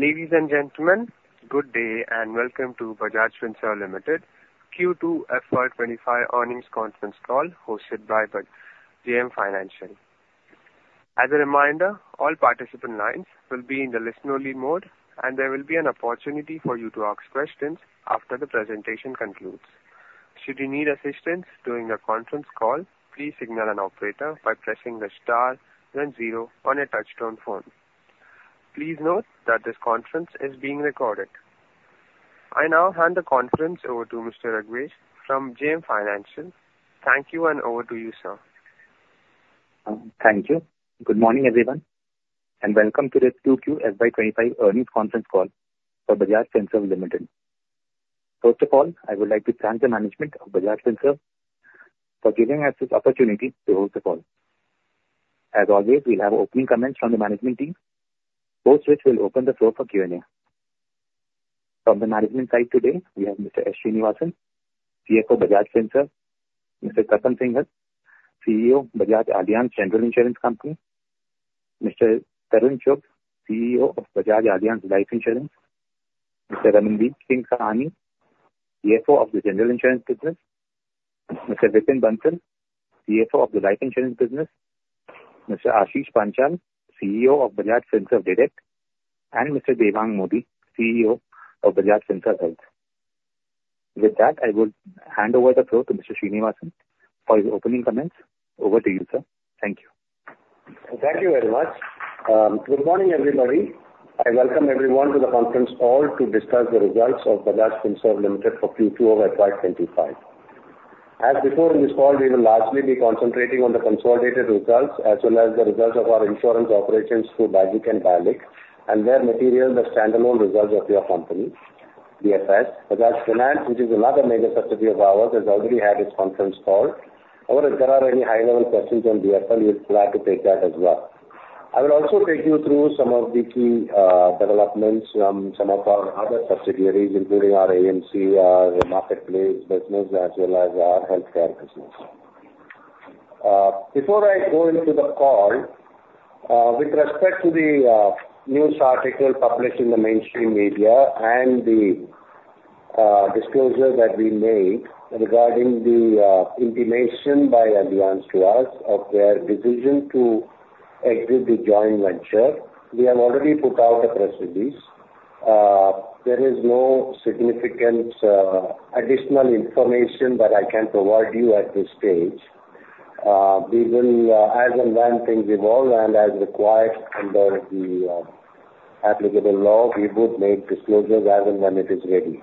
Ladies and gentlemen, good day and welcome to Bajaj Finserv Limited Q2 FY 2025 earnings conference call, hosted by JM Financial. As a reminder, all participant lines will be in the listen-only mode, and there will be an opportunity for you to ask questions after the presentation concludes. Should you need assistance during the conference call, please signal an operator by pressing the star then zero on your touch-tone phone. Please note that this conference is being recorded. I now hand the conference over to Mr. Raghvesh from JM Financial. Thank you, and over to you, sir. Thank you. Good morning, everyone, and welcome to this Q2 FY twenty-five earnings conference call for Bajaj Finserv Limited. First of all, I would like to thank the management of Bajaj Finserv for giving us this opportunity to host the call. As always, we'll have opening comments from the management team, post which we'll open the floor for Q&A. From the management side today, we have Mr. S. Sreenivasan, CFO, Bajaj Finserv; Mr. Tapan Singhel, CEO, Bajaj Allianz General Insurance Company; Mr. Tarun Chugh, CEO of Bajaj Allianz Life Insurance; Mr. Ramandeep Singh Sahni, CFO of the General Insurance Business; Mr. Vipin Bansal, CFO of the Life Insurance Business; Mr. Ashish Panchal, CEO of Bajaj Finserv Direct; and Mr. Devang Mody, CEO of Bajaj Finserv Health. With that, I will hand over the floor to Mr. Sreenivasan for his opening comments. Over to you, sir. Thank you. Thank you very much. Good morning, everybody. I welcome everyone to the conference call to discuss the results of Bajaj Finserv Limited for Q2 of FY 2025. As before, in this call, we will largely be concentrating on the consolidated results as well as the results of our insurance operations through BAGIC and BALIC, and where material, the standalone results of your company, BFL. Bajaj Finance, which is another major subsidiary of ours, has already had its conference call. However, if there are any high-level questions on BFL, we'll be glad to take that as well. I will also take you through some of the key developments from some of our other subsidiaries, including our AMC, our marketplace business, as well as our healthcare business. Before I go into the call, with respect to the news article published in the mainstream media and the disclosure that we made regarding the intimation by Allianz to us of their decision to exit the joint venture, we have already put out a press release. There is no significant additional information that I can provide you at this stage. We will, as and when things evolve and as required under the applicable law, we would make disclosures as and when it is ready.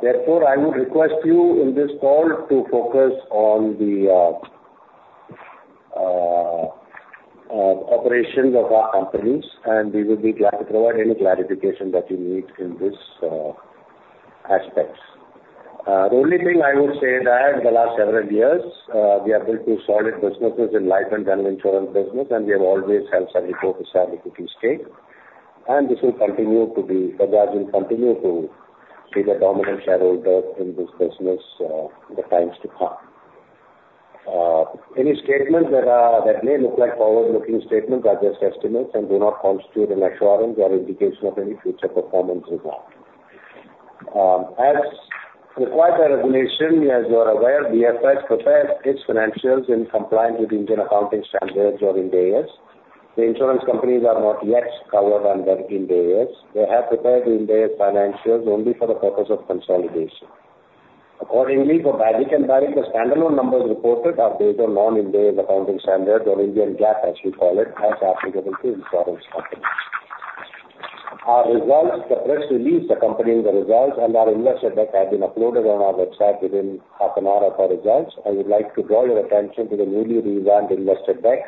Therefore, I would request you in this call to focus on the operations of our companies, and we will be glad to provide any clarification that you need in this aspects. The only thing I would say that the last several years, we have built two solid businesses in life and general insurance business, and we have always held some focus on equity stake, and this will continue to be, Bajaj will continue to be the dominant shareholder in this business, in the times to come. Any statements that may look like forward-looking statements are just estimates and do not constitute an assurance or indication of any future performance at all. As required by regulation, as you are aware, BFL prepares its financials in compliance with Indian accounting standards or Ind AS. The insurance companies are not yet covered under Ind AS. They have prepared Ind AS financials only for the purpose of consolidation. Accordingly, for BAGIC and BALIC, the standalone numbers reported are based on non-Ind AS accounting standards or Indian GAAP, as we call it, as applicable to insurance companies. Our results, the press release accompanying the results and our investor deck have been uploaded on our website within half an hour of our results. I would like to draw your attention to the newly revamped investor deck.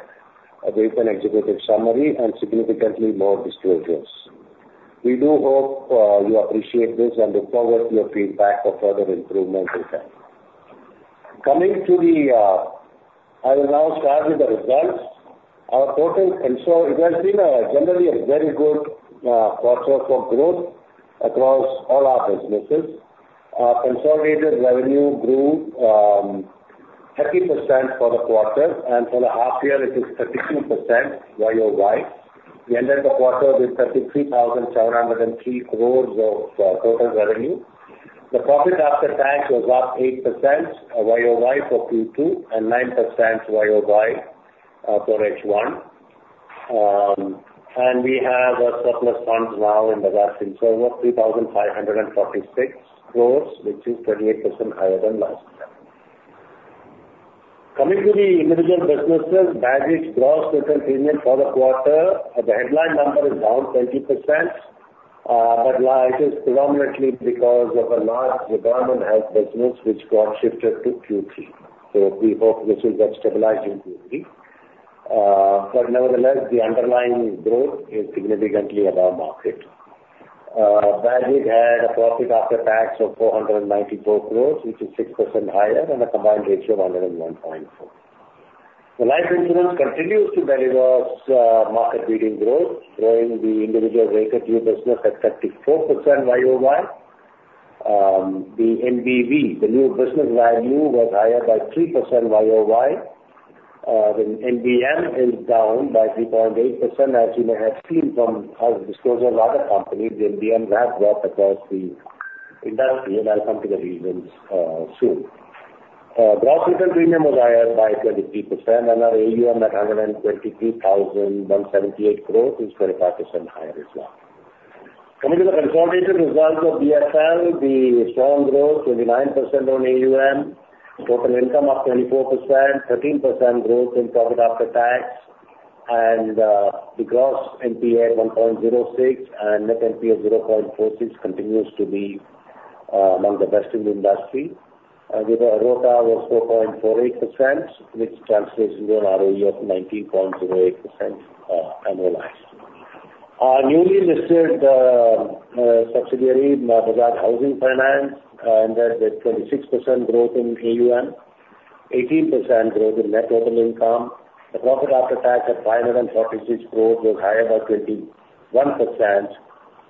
There is an executive summary and significantly more disclosures. We do hope you appreciate this and look forward to your feedback for further improvement with that. Coming to the, I will now start with the results. Our total it has been generally a very good quarter for growth across all our businesses. Our consolidated revenue grew 30% for the quarter, and for the half year, it is 32% YOY. We ended the quarter with 33,703 crores of total revenue. The profit after tax was up 8% YOY for Q2 and 9% YOY for H1, and we have a surplus funds now in Bajaj Finserv of 3,546 crores, which is 28% higher than last year. Coming to the individual businesses, BAGIC's gross payment premium for the quarter, the headline number is down 20%, but it is predominantly because of a large government health business which got shifted to Q3, so we hope this will get stabilized in Q3, but nevertheless, the underlying growth is significantly above market. BAGIC had a profit after tax of 494 crores, which is 6% higher and a combined ratio of 101.4. The life insurance continues to deliver market-leading growth, growing the individual retail new business at 34% YOY. The NBV, the new business value, was higher by 3% YOY. The NBM is down by 3.8%, as you may have seen from our disclosure of other companies, the NBMs have dropped across the industry, and I'll come to the reasons soon. Gross written premium was higher by 23%, and our AUM at 122,178 growth is 25% higher as well. Coming to the consolidation results of BFL, the strong growth, 29% on AUM, total income up 24%, 13% growth in profit after tax, and, the gross NPA 1.06% and net NPA 0.46% continues to be, among the best in the industry. The ROTA was 4.48%, which translates to an ROE of 19.08%, annualized. Our newly listed subsidiary, Bajaj Housing Finance, ended with 26% growth in AUM, 18% growth in net total income. The profit after tax at 546% growth was higher by 21%,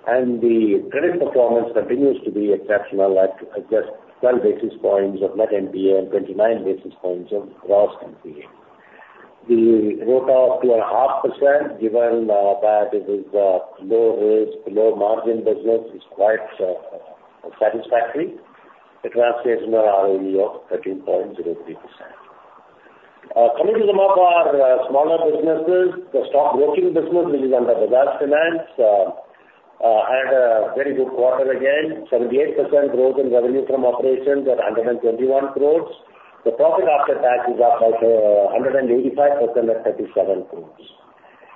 and the credit performance continues to be exceptional at just 12 basis points of net NPA and 29 basis points of gross NPA. The ROTA of 2.5%, given that it is a low risk, low margin business, is quite satisfactory. It translates to an ROE of 13.03%. Coming to some of our smaller businesses, the stock broking business, which is under Bajaj Finance, had a very good quarter again, 78% growth in revenue from operations at 121 crores. The profit after tax is up by 185% at 37 crores.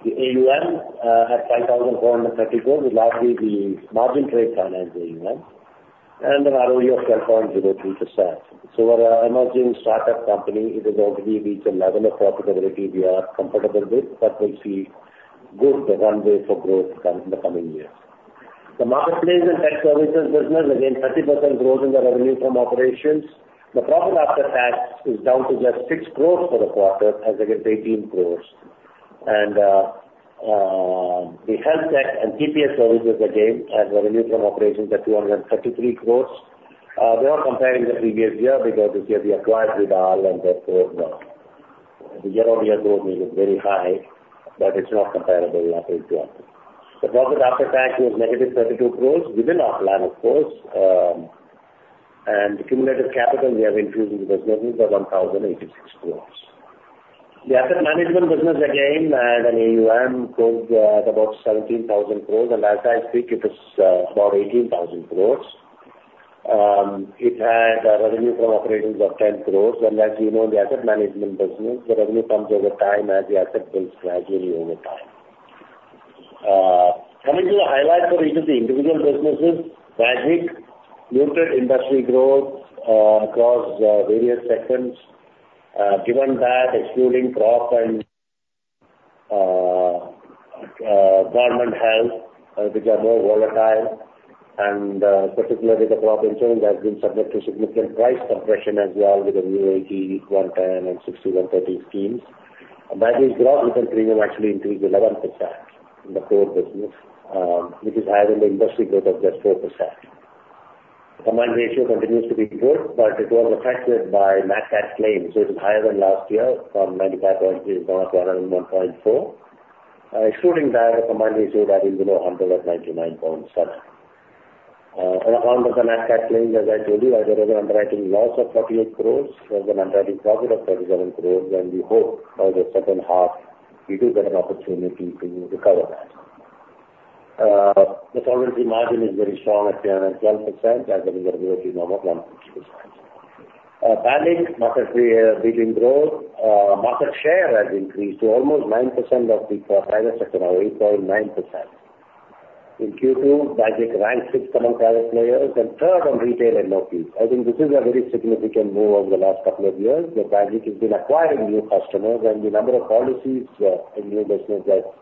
The AUM at 5,430 crores was largely the margin trade finance AUM, and an ROE of 10.03%. So for our emerging startup company, it has already reached a level of profitability we are comfortable with, but we see good runway for growth in the coming years. The marketplace and tech services business, again, 30% growth in the revenue from operations. The profit after tax is down to just 6 crores for the quarter as against 18 crores. The health tech and TPS services, again, had revenue from operations at 233 crores. We are comparing the previous year because this year we acquired Vidal, and therefore, the year-on-year growth is very high, but it's not comparable after acquisition. The profit after tax was negative 32 crores, within our plan, of course, and the cumulative capital we have increased in the business is 1,086 crores. The asset management business again had an AUM growth at about 17,000 crores, and as I speak it is about 18,000 crores. It had a revenue from operations of 10 crores, and as you know, the asset management business, the revenue comes over time as the asset builds gradually over time. Coming to the highlights for each of the individual businesses. Bajaj, muted industry growth across various segments. Given that excluding crop and government health, which are more volatile, and particularly the crop insurance has been subject to significant price compression as well, with the new 80-110 and 60-130 schemes. Bajaj's gross written premium actually increased 11% in the core business, which is higher than the industry growth of just 4%. Combined ratio continues to be good, but it was affected by natural claims, which is higher than last year from 95.3 to 101.4. Excluding that, the combined ratio was below 100 at 99.7. And on the nat cat claims, as I told you, there was an underwriting loss of 38 crores and an underwriting profit of 37 crores, and we hope by the second half we do get an opportunity to recover that. The solvency margin is very strong at 10% and 12% and the regulatory normal, 1.2%. Banking market, beating growth. Market share has increased to almost 9% of the private sector, now 8.9%. In Q2, Bajaj ranked sixth among private players and third on retail NOPs. I think this is a very significant move over the last couple of years, that Bajaj has been acquiring new customers and the number of policies, in new business that grown,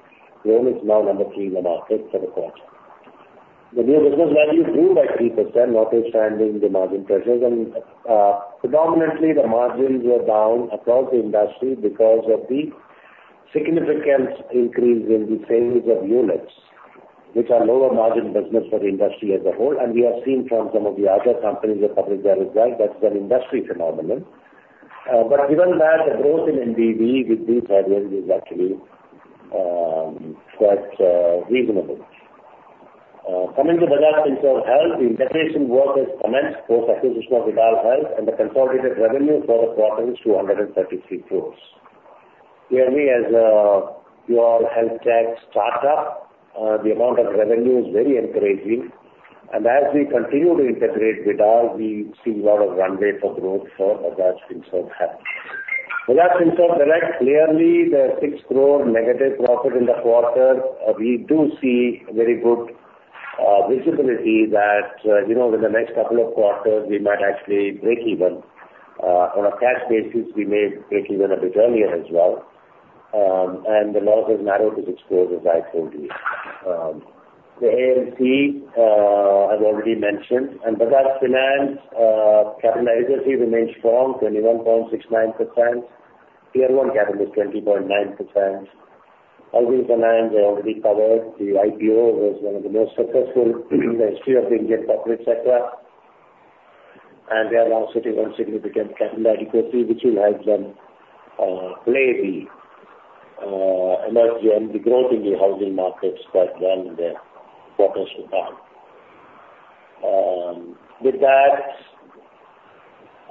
is now number three in the market for the quarter. The new business value grew by 3%, notwithstanding the margin pressures, and predominantly the margins were down across the industry because of the significant increase in the sales of units, which are lower margin business for the industry as a whole, we have seen from some of the other companies that published their results, that's an industry phenomenon, but given that the growth in NBV with these margins is actually quite reasonable. Coming to Bajaj Finserv Health, the integration work has commenced for acquisition of Vidal Health, and the consolidated revenue for the quarter is 233 crores. Clearly, as a pure health tech startup, the amount of revenue is very encouraging, and as we continue to integrate Vidal, we see a lot of runway for growth for Bajaj Finserv Health. Bajaj Finserv Direct, clearly the 6 crore negative profit in the quarter, we do see very good visibility that, you know, in the next couple of quarters, we might actually break even. On a cash basis, we may break even a bit earlier as well, and the loss has narrowed to INR 6 crores, as I told you. The AMC, I've already mentioned, and Bajaj Finance capital adequacy remains strong, 21.69%. Tier 1 capital is 20.9%. Atul and I have already covered the IPO. The IPO was one of the most successful in the history of the Indian corporate sector, and they have also taken on significant capital adequacy, which will help them play the emerging and the growth in the housing markets quite well in their quarters to come. With that,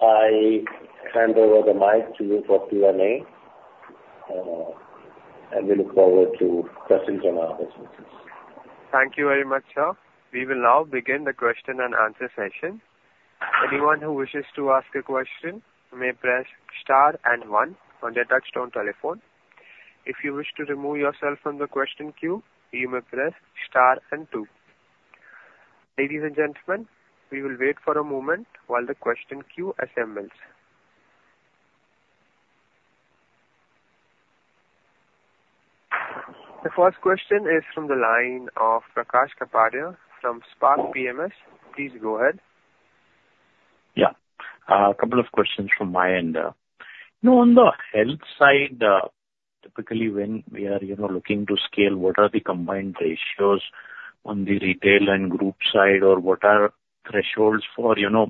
I hand over the mic to you for Q&A, and we look forward to questions and our. Thank you very much, sir. We will now begin the question and answer session. Anyone who wishes to ask a question, may press star and one on their touchtone telephone. If you wish to remove yourself from the question queue, you may press star and two. Ladies and gentlemen, we will wait for a moment while the question queue assembles. The first question is from the line of Prakash Kapadia from Spark PMS. Please go ahead. Yeah. A couple of questions from my end. You know, on the health side, typically, when we are, you know, looking to scale, what are the combined ratios on the retail and group side? Or what are thresholds for, you know,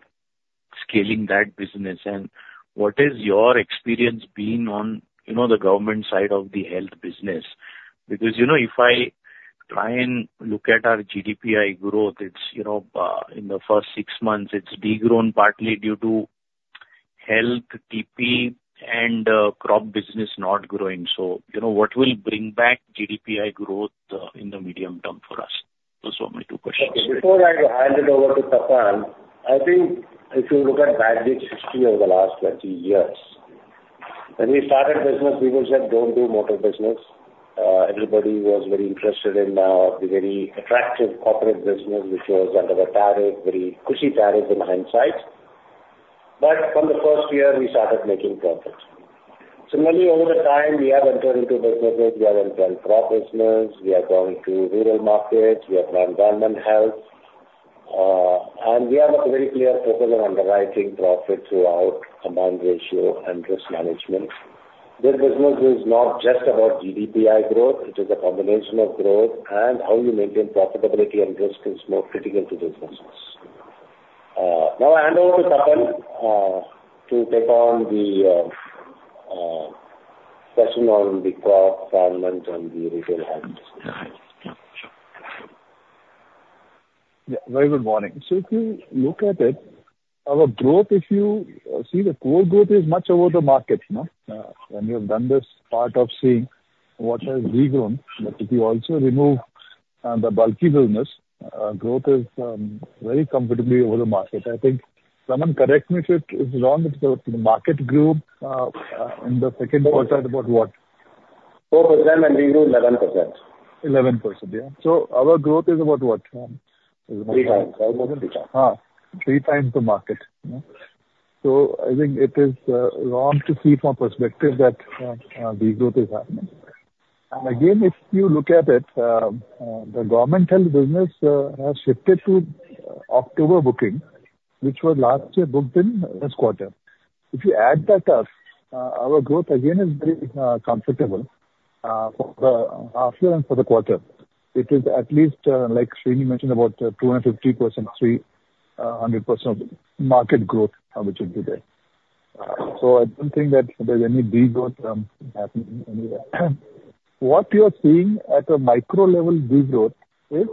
scaling that business? And what is your experience being on, you know, the government side of the health business? Because, you know, if I try and look at our GDPI growth, it's, you know, in the first six months, it's de-grown partly due to health, TP and, crop business not growing. So, you know, what will bring back GDPI growth, in the medium term for us? Those were my two questions. Okay. Before I hand it over to Tapan, I think if you look at Bajaj Finserv over the last twenty years, when we started business, people said, "Don't do motor business." Everybody was very interested in the very attractive corporate business, which was under the tariff, very cushy tariff in hindsight. But from the first year, we started making profits. Similarly, over the time, we have entered into businesses, we have entered crop business, we are going to rural markets, we have gone government health, and we have a very clear focus on underwriting profit throughout combined ratio and risk management. This business is not just about GDPI growth, it is a combination of growth and how you maintain profitability and risk is more critical to this business. Now I hand over to Tapan to take on the question on the crop, government and the retail health. Yeah. Very good morning. So if you look at it, our growth, if you see the core growth is much over the market, you know? And we have done this part of seeing what has de-grown. But if you also remove the bulky business, growth is very comfortably over the market. I think, Raman, correct me if it is wrong, but the market grew in the second quarter at about what? 4% and we grew 11%. 11%, yeah. So our growth is about what, Raman? Three times. Almost three times. Ah, three times the market, you know? So I think it is wrong to see from a perspective that de-growth is happening. And again, if you look at it, the government health business has shifted to October booking, which was last year booked in this quarter. If you add that up, our growth again is very comfortable for the half year and for the quarter. It is at least, like Srini mentioned, about 250%, 300% of market growth, which would be there. So I don't think that there's any de-growth happening anywhere. What you are seeing at a micro level de-growth is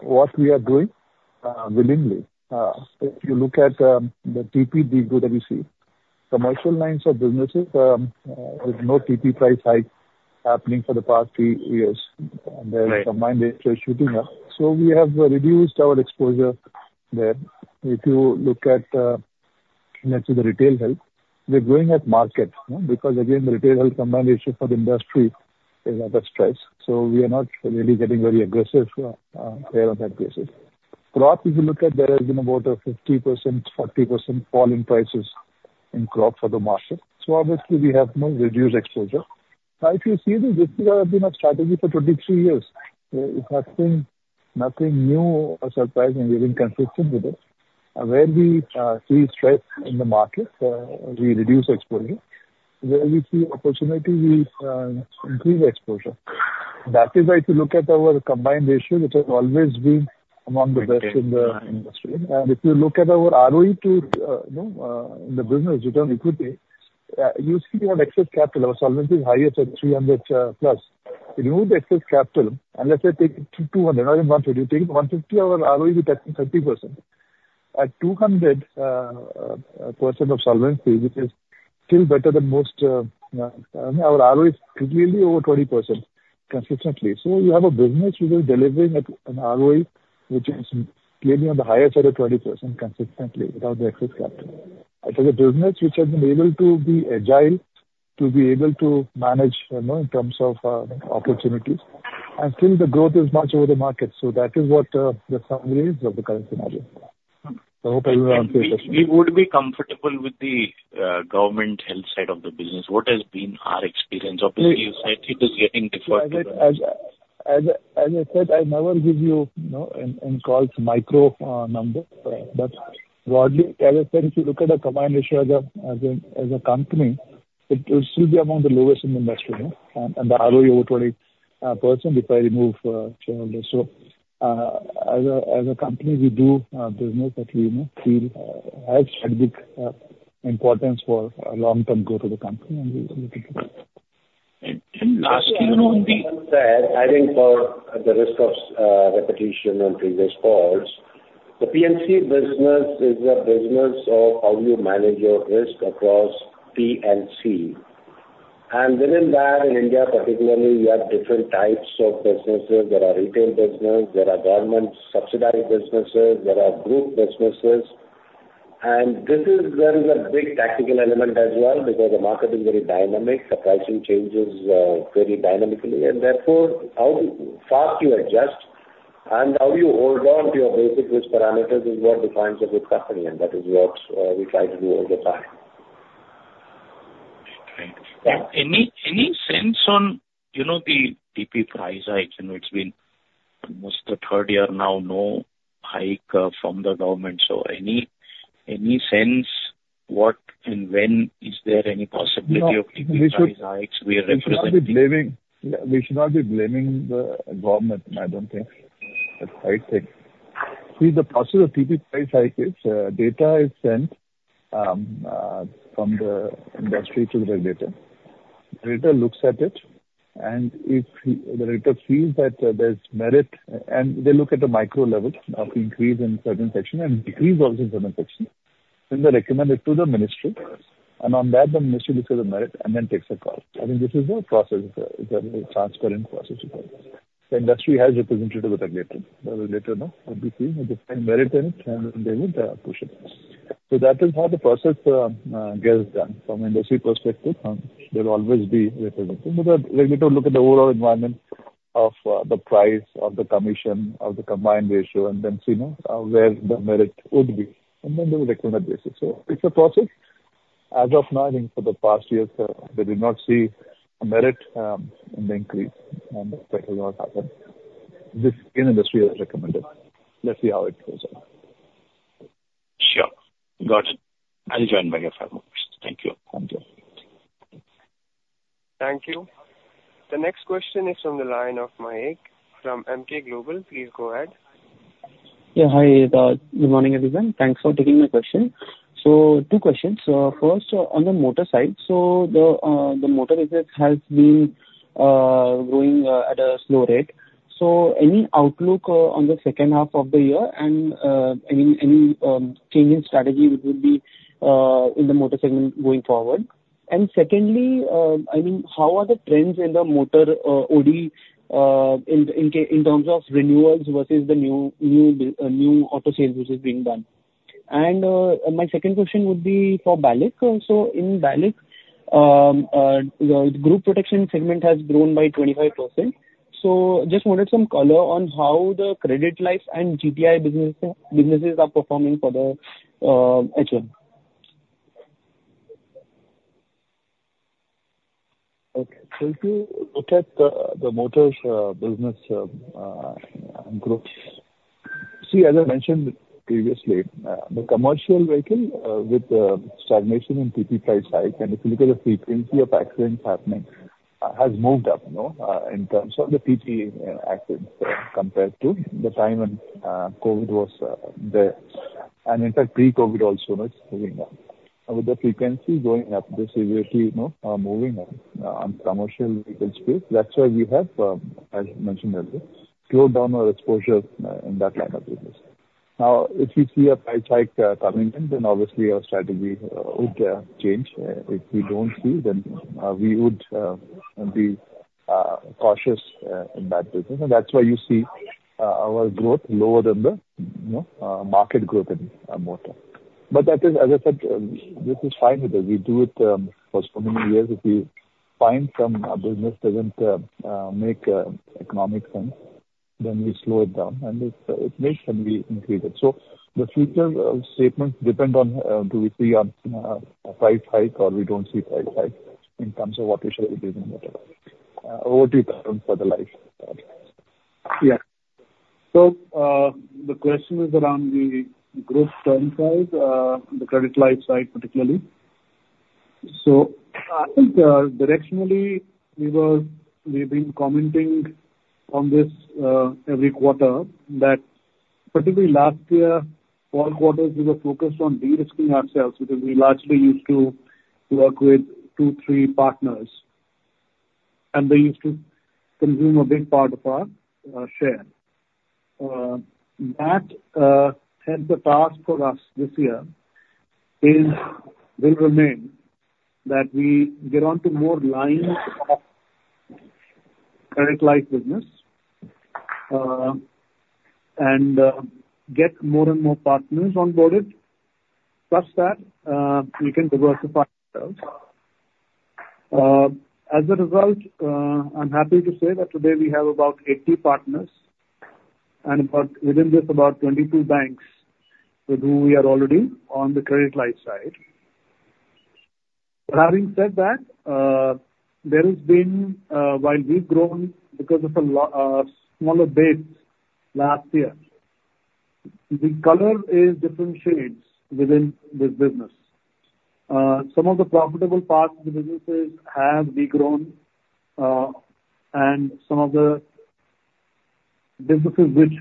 what we are doing willingly. If you look at the TP de-growth that we see, commercial lines of businesses, with no TP price hike happening for the past three years- Right. And the combined ratio is shooting up. So we have reduced our exposure there. If you look at, let's say the retail health, we're growing at market, you know, because again, the retail health combined ratio for the industry is under stress. So we are not really getting very aggressive, there on that basis. Crop, if you look at, there has been about a 50%, 40% fall in prices in crop for the market. So obviously, we have now reduced exposure. Now, if you see, this has been our strategy for 23 years. It has been nothing new or surprising. We've been consistent with it. Where we see stress in the market, we reduce exposure. Where we see opportunity, we increase exposure. That is why if you look at our combined ratio, which has always been among the best in the industry. Okay. And if you look at our ROE too, you know, in the business return on equity, usually we have excess capital. Our solvency is highest at 300+, Remove the excess capital, unless I take it to 200 or even 100, you take it 150, our ROE be touching 30%. At 200% of solvency, which is still better than most, our ROE is clearly over 20% consistently. So you have a business which is delivering at an ROE, which is clearly on the higher side of 20% consistently without the excess capital. It is a business which has been able to be agile, to be able to manage, you know, in terms of opportunities, and still the growth is much over the market. So that is what, the summary is of the current scenario. So hopefully I answered your question. We would be comfortable with the government health side of the business. What has been our experience? Obviously, you said it is getting different to the-... As I said, I never give you, you know, in calls micro numbers. But broadly, as I said, if you look at the combined ratio as a company, it will still be among the lowest in the industry, no? And the ROE over 20% if I remove shareholders. So, as a company, we do business that we, you know, feel has strategic importance for a long-term growth of the company and we will look at it. And lastly, you know, in the- I think for the risk of repetition on previous calls, the P&C business is a business of how you manage your risk across P and C. And within that, in India particularly, you have different types of businesses. There are retail business, there are government-subsidized businesses, there are group businesses, and this is where is a big tactical element as well, because the market is very dynamic. The pricing changes very dynamically, and therefore, how fast you adjust and how you hold on to your basic risk parameters is what defines a good company, and that is what we try to do all the time. Right. Any sense on, you know, the TP price hike? You know, it's been almost the third year now, no hike from the government. So any sense what and when is there any possibility of- No, we should- TP price hikes we are representing? We should not be blaming... We should not be blaming the government, I don't think, I think. See, the process of TP price hike is, data is sent, from the industry to the regulator. The regulator looks at it, and if he, the regulator feels that there's merit, and they look at the micro level of increase in certain section and decrease also in certain section, then they recommend it to the ministry. And on that, the ministry looks at the merit and then takes a call. I think this is the process. It's a transparent process. The industry has representative with the regulator. The regulator now will be seeing a different merit in it, and they would push it. So that is how the process gets done from industry perspective. There'll always be representative. But the regulator look at the overall environment of the price, of the commission, of the combined ratio, and then see, you know, where the merit would be, and then they will recommend basis. So it's a process. As of now, I think for the past years, they did not see a merit in the increase, and that is what happened. This, the industry has recommended. Let's see how it goes on. Sure. Got it. I'll join back if I have more questions. Thank you. Thank you. Thank you. The next question is from the line of Mayank, from Emkay Global. Please go ahead. Yeah, hi, good morning, everyone. Thanks for taking my question. So two questions. First, on the motor side. The motor business has been growing at a slow rate. Any outlook on the second half of the year and any change in strategy which would be in the motor segment going forward? And secondly, I mean, how are the trends in the motor OD in terms of renewals versus the new auto sales which is being done? And my second question would be for BALIC. In BALIC, the group protection segment has grown by 25%. Just wanted some color on how the credit life and GTI businesses are performing for the H1. Okay. If you look at the motors business growth. See, as I mentioned previously, the commercial vehicle with the stagnation in TP price hike and the frequency of accidents happening has moved up, you know, in terms of the TP accidents compared to the time when COVID was there. And in fact, pre-COVID also, it's moving up. With the frequency going up, the severity, you know, moving up on commercial vehicle space. That's why we have, as mentioned earlier, slowed down our exposure in that line of business. Now, if we see a price hike coming in, then obviously our strategy would change. If we don't see, then we would be cautious in that business. And that's why you see our growth lower than the, you know, market growth in motor. But that is, as I said, this is fine with us. We do it for so many years. If we find some business doesn't make economic sense, then we slow it down, and if it makes, then we increase it. So the future statements depend on do we see a price hike or we don't see price hike in terms of what we should do in motor over the term for the life. Yeah. So, the question is around the growth term side, the credit life side particularly. So I think, directionally, we were-- we've been commenting on this, every quarter, that particularly last year, four quarters, we were focused on de-risking ourselves because we largely used to work with two, three partners, and they used to consume a big part of our, share. That, hence the task for us this year is, will remain, that we get onto more lines of credit life business, and, get more and more partners on boarded. Plus that, we can diversify ourselves. As a result, I'm happy to say that today we have about eighty partners, and about... within this, about twenty-two banks with who we are already on the credit life side. But having said that, there has been, while we've grown because of a smaller base last year, the color is different shades within this business. Some of the profitable parts of the businesses have de-grown, and some of the businesses which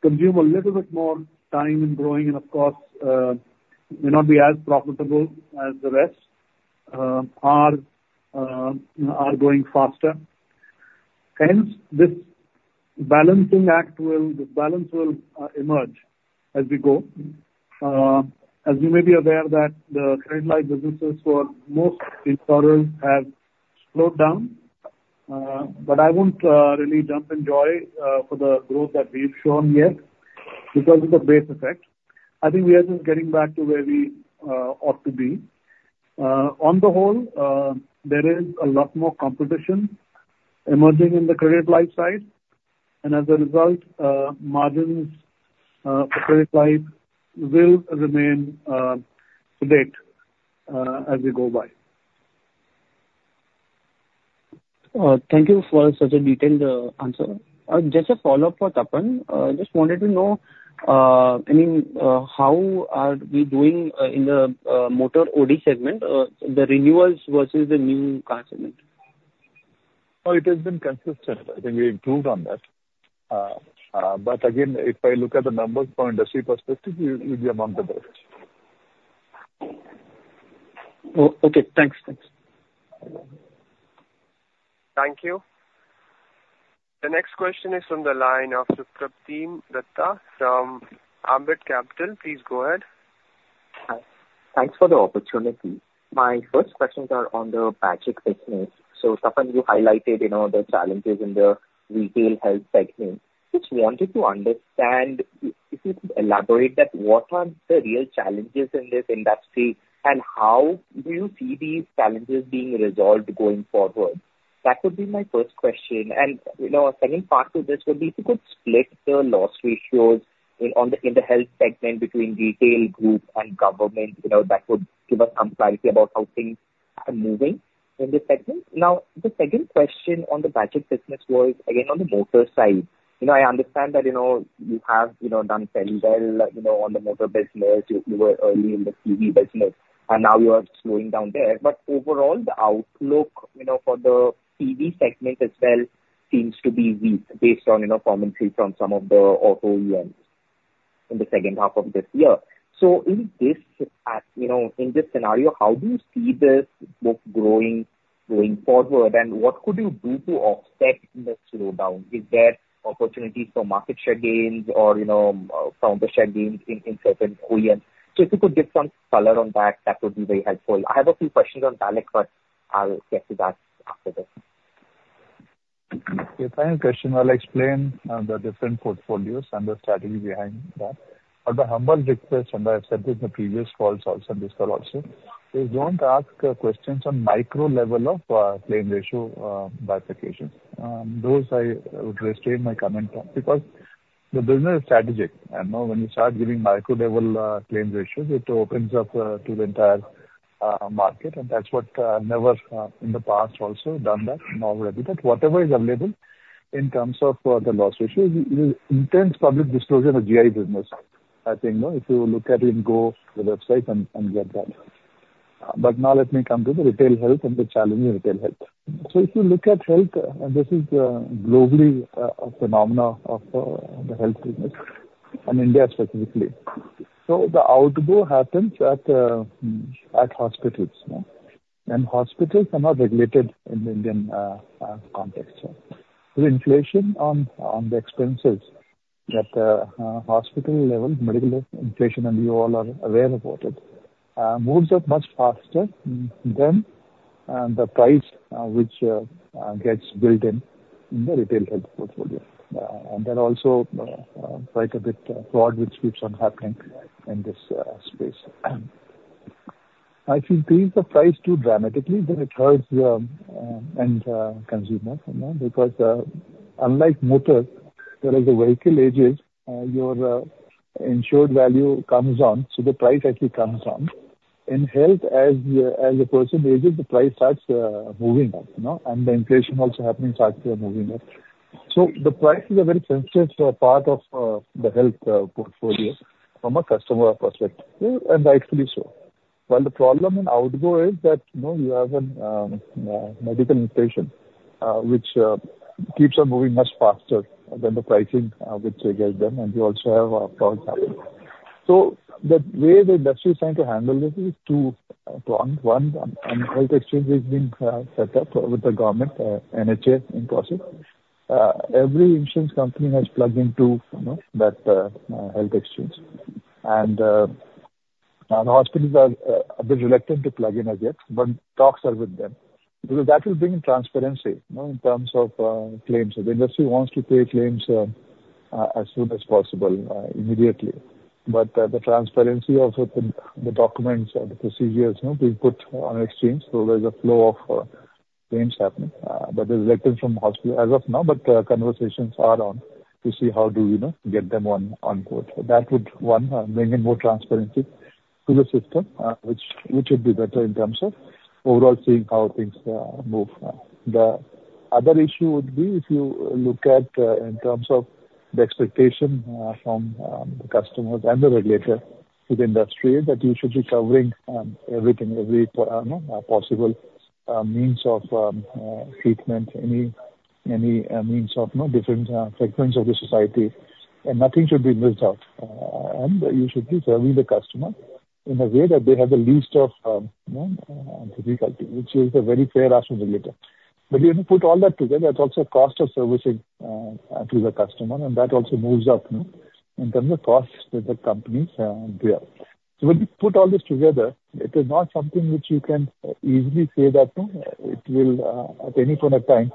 consume a little bit more time in growing, and of course, may not be as profitable as the rest, are growing faster. Hence, this balancing act, the balance will emerge as we go. As you may be aware that the credit life businesses for most insurers have slowed down, but I won't really jump in joy for the growth that we've shown yet because of the base effect. I think we are just getting back to where we ought to be. On the whole, there is a lot more competition emerging in the credit life side, and as a result, margins for credit life will remain sedate as we go by. Thank you for such a detailed answer. Just a follow-up for Tapan. Just wanted to know, I mean, how are we doing in the motor OD segment, the renewals versus the new car segment? Oh, it has been consistent. I think we improved on that. But again, if I look at the numbers from industry perspective, we're among the best. Okay, thanks. Thanks. Thank you. The next question is on the line of Supratim Dutta from Ambit Capital. Please go ahead. Hi. Thanks for the opportunity. My first questions are on the Bajaj business. So Tapan, you highlighted, you know, the challenges in the retail health segment. Just wanted to understand, if you could elaborate that, what are the real challenges in this industry, and how do you see these challenges being resolved going forward? That would be my first question. And, you know, a second part to this would be, if you could split the loss ratios in, on the, in the health segment between retail, group, and government, you know, that would give us some clarity about how things are moving in this segment. Now, the second question on the Bajaj business was, again, on the motor side. You know, I understand that, you know, you have, you know, done fairly well, you know, on the motor business. You were early in the TP business, and now you are slowing down there. But overall, the outlook, you know, for the TP segment as well, seems to be weak based on, you know, commentary from some of the auto OEMs in the second half of this year. So in this, you know, in this scenario, how do you see this book growing going forward, and what could you do to offset this slowdown? Is there opportunities for market share gains or, you know, vendor share gains in certain OEMs? So if you could give some color on that, that would be very helpful. I have a few questions on health, but I'll get to that after this. The final question, I'll explain the different portfolios and the strategy behind that. At the humble request, and I've said this in the previous calls also, this call also, please don't ask questions on micro level of claim ratio bifurcation. Those I would restrain my comment on because the business is strategic, and now when you start giving micro level claims ratios, it opens up to the entire market, and that's what never in the past also done that, nor will I do that. Whatever is available in terms of the loss ratio, it is in the public disclosure of GI business. I think, you know, if you look at it, go to the website and get that. But now let me come to the retail health and the challenge in retail health. So if you look at health, and this is globally a phenomenon of the health business and India specifically. The outgo happens at hospitals, no? And hospitals are not regulated in the Indian context. The inflation on the expenses at the hospital level, medical inflation, and you all are aware about it, moves up much faster than the price which gets built in in the retail health portfolio. And there are also quite a bit of fraud which keeps on happening in this space. If you increase the price too dramatically, then it hurts the end consumer, you know, because unlike motor, whereas the vehicle ages, your insured value comes down, so the price actually comes down. In health, as a person ages, the price starts moving up, you know, and the inflation also happening starts moving up. So the price is a very sensitive part of the health portfolio from a customer perspective, and rightly so. Well, the problem in outgo is that, you know, you have a medical inflation which keeps on moving much faster than the pricing which against them, and you also have a fraud happening. So the way the industry is trying to handle this is two prongs. One, a health exchange is being set up with the government, NHA in process. Every insurance company has plugged into, you know, that health exchange. And hospitals are a bit reluctant to plug in as yet, but talks are with them. Because that will bring transparency, you know, in terms of claims. The industry wants to pay claims as soon as possible, immediately. But the transparency, also the documents and the procedures, you know, being put on exchange, so there's a flow of things happening, but it is lacking from hospital as of now, but conversations are on to see how do we, you know, get them on board. So that would, one, bring in more transparency to the system, which would be better in terms of overall seeing how things move. The other issue would be if you look at in terms of the expectation from the customers and the regulator to the industry, that you should be covering everything, every possible means of treatment, any means of you know different segments of the society, and nothing should be missed out. And you should be serving the customer in a way that they have the least of you know difficulty, which is a very fair ask from the leader. But you put all that together, it's also a cost of servicing to the customer, and that also moves up you know in terms of costs that the companies bear. So when you put all this together, it is not something which you can easily say that, you know, it will at any point of time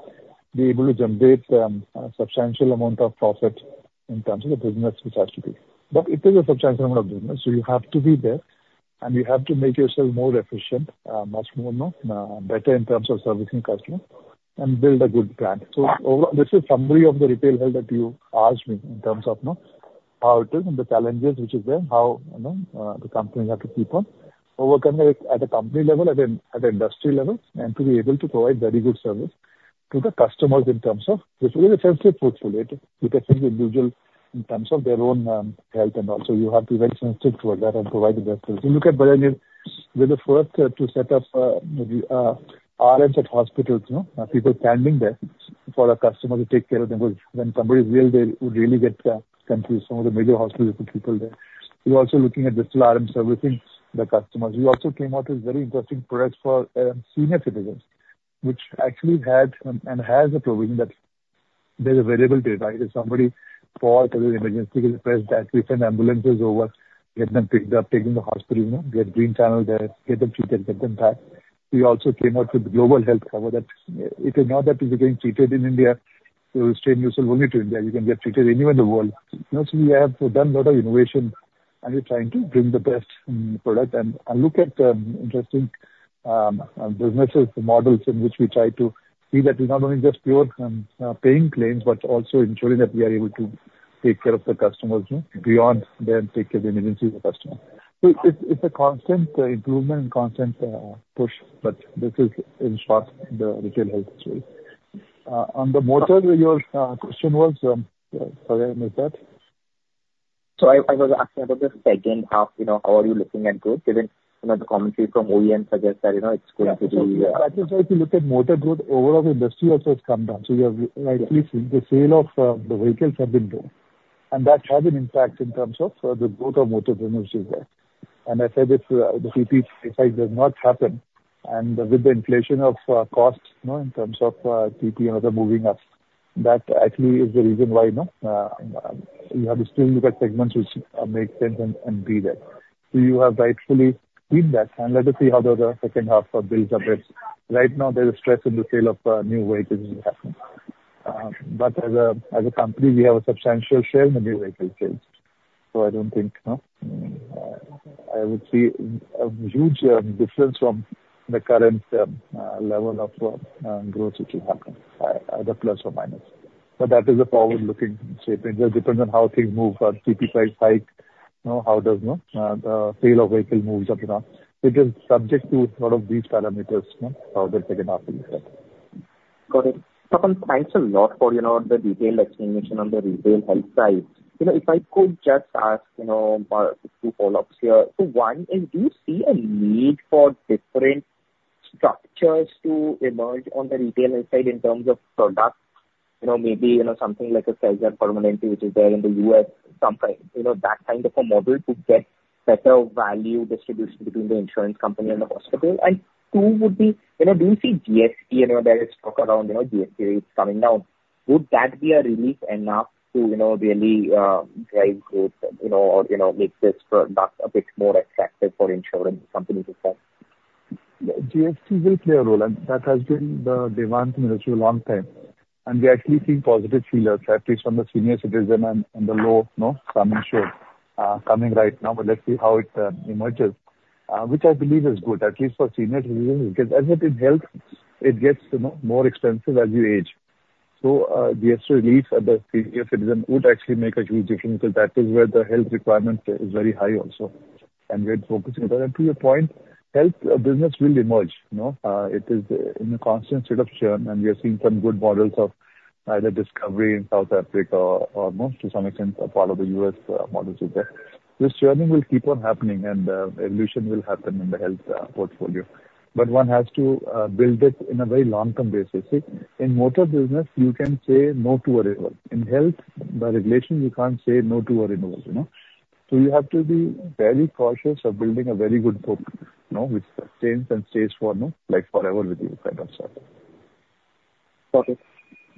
be able to generate a substantial amount of profit in terms of the business which has to be, but it is a substantial amount of business, so you have to be there, and you have to make yourself more efficient, much more, you know, better in terms of servicing customers and build a good brand. This is summary of the retail health that you asked me, in terms of, you know, how it is and the challenges which is there, how, you know, the companies have to keep on overcoming it at a company level, at an industry level, and to be able to provide very good service to the customers in terms of it's a very sensitive portfolio. You can see the individual in terms of their own health and all, so you have to be very sensitive toward that and provide the best service. If you look at Bajaj, we're the first to set up the RMs at hospitals, you know, people standing there for our customers to take care of them. When somebody is ill, they would really get confused. Some of the major hospitals have people there. We're also looking at digital RM servicing the customers. We also came out with very interesting products for senior citizens, which actually has a provision that there's availability, right? If somebody falls, there is emergency, they press that, we send ambulances over, get them picked up, taken to hospital, you know, we have green channel there, get them treated, get them back. We also came out with Global Health Cover that it is not that people are getting treated in India, so it's limited to India. You can get treated anywhere in the world. You know, so we have done a lot of innovation, and we're trying to bring the best product and, and look at, interesting, businesses, the models in which we try to see that we're not only just pure, paying claims, but also ensuring that we are able to take care of the customers, you know, beyond then take care the emergency of the customer. So it's, it's a constant, improvement and constant, push, but this is in short the retail health story. On the motor, your, question was, sorry, I missed that. So I was asking about the second half, you know, how are you looking at growth, given, you know, the commentary from OE suggest that, you know, it's going to be Yeah. So if you look at motor growth, overall the industry also has come down. So you have rightfully, the sale of, the vehicles have been low, and that has an impact in terms of, the growth of motor business as well. And I said, if, the TP price does not happen, and with the inflation of, costs, you know, in terms of, TP and other moving up, that actually is the reason why, you know, you have to still look at segments which, make sense and be there. So you have rightfully seen that, and let us see how the second half builds up this. Right now, there is stress in the sale of, new vehicles in the country. But as a company, we have a substantial share in the new vehicle sales, so I don't think I would see a huge difference from the current level of growth, which will happen either plus or minus. But that is a forward-looking statement. It just depends on how things move, TP price hike, you know, how does the sale of vehicle moves up or not. It is subject to lot of these parameters, you know, how the second half will look like. Got it. Mayank, thanks a lot for, you know, the detailed explanation on the retail health side. You know, if I could just ask, you know, two follow-ups here. So one is, do you see a need for different structures to emerge on the retail side in terms of products? You know, maybe, you know, something like a capitation, which is there in the U.S., something, you know, that kind of a model to get better value distribution between the insurance company and the hospital. And two would be, you know, do you see GST anywhere there is talk around, you know, GST rates coming down? Would that be a relief enough to, you know, really, drive growth, you know, or, you know, make this product a bit more attractive for insurance companies to sell? GST will play a role, and that has been the demand in the industry a long time, and we are actually seeing positive feelers, at least from the senior citizen and the low, you know, some insured coming right now, but let's see how it emerges, which I believe is good, at least for senior citizens, because as it is health, it gets, you know, more expensive as you age, so the extra relief for the senior citizen would actually make a huge difference, because that is where the health requirement is very high also, and we're focusing on that. To your point, health business will emerge, you know. It is in a constant state of churn, and we are seeing some good models of either Discovery in South Africa or most to some extent follow the U.S. models are there. This churning will keep on happening, and evolution will happen in the health portfolio, but one has to build it in a very long-term basis. See, in motor business, you can say no to a renewal. In health, the regulation, you can't say no to a renewal, you know? So you have to be very cautious of building a very good book, you know, which sustains and stays for, you know, like forever with you, kind of stuff. Okay.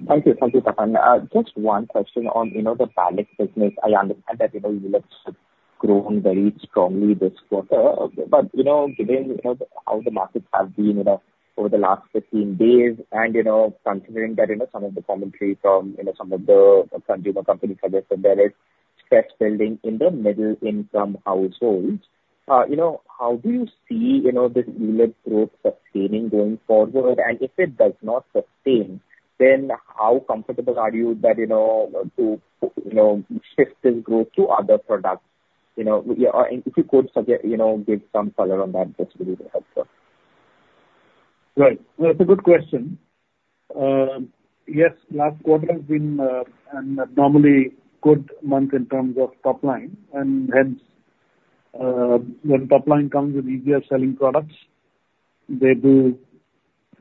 Thank you. Thank you, Makan. Just one question on, you know, the life business. I understand that, you know, you have grown very strongly this quarter, but, you know, given, you know, how the markets have been, you know, over the last 15 days, and, you know, considering that, you know, some of the commentary from, you know, some of the consumer companies suggest that there is stress building in the middle income households, you know, how do you see, you know, this ULIP growth sustaining going forward? And if it does not sustain, then how comfortable are you that, you know, to, you know, shift this growth to other products? You know, yeah, or if you could suggest, you know, give some color on that, that's really helpful. Right. Well, it's a good question. Yes, last quarter has been an abnormally good month in terms of top line, and hence, when top line comes with easier selling products, they do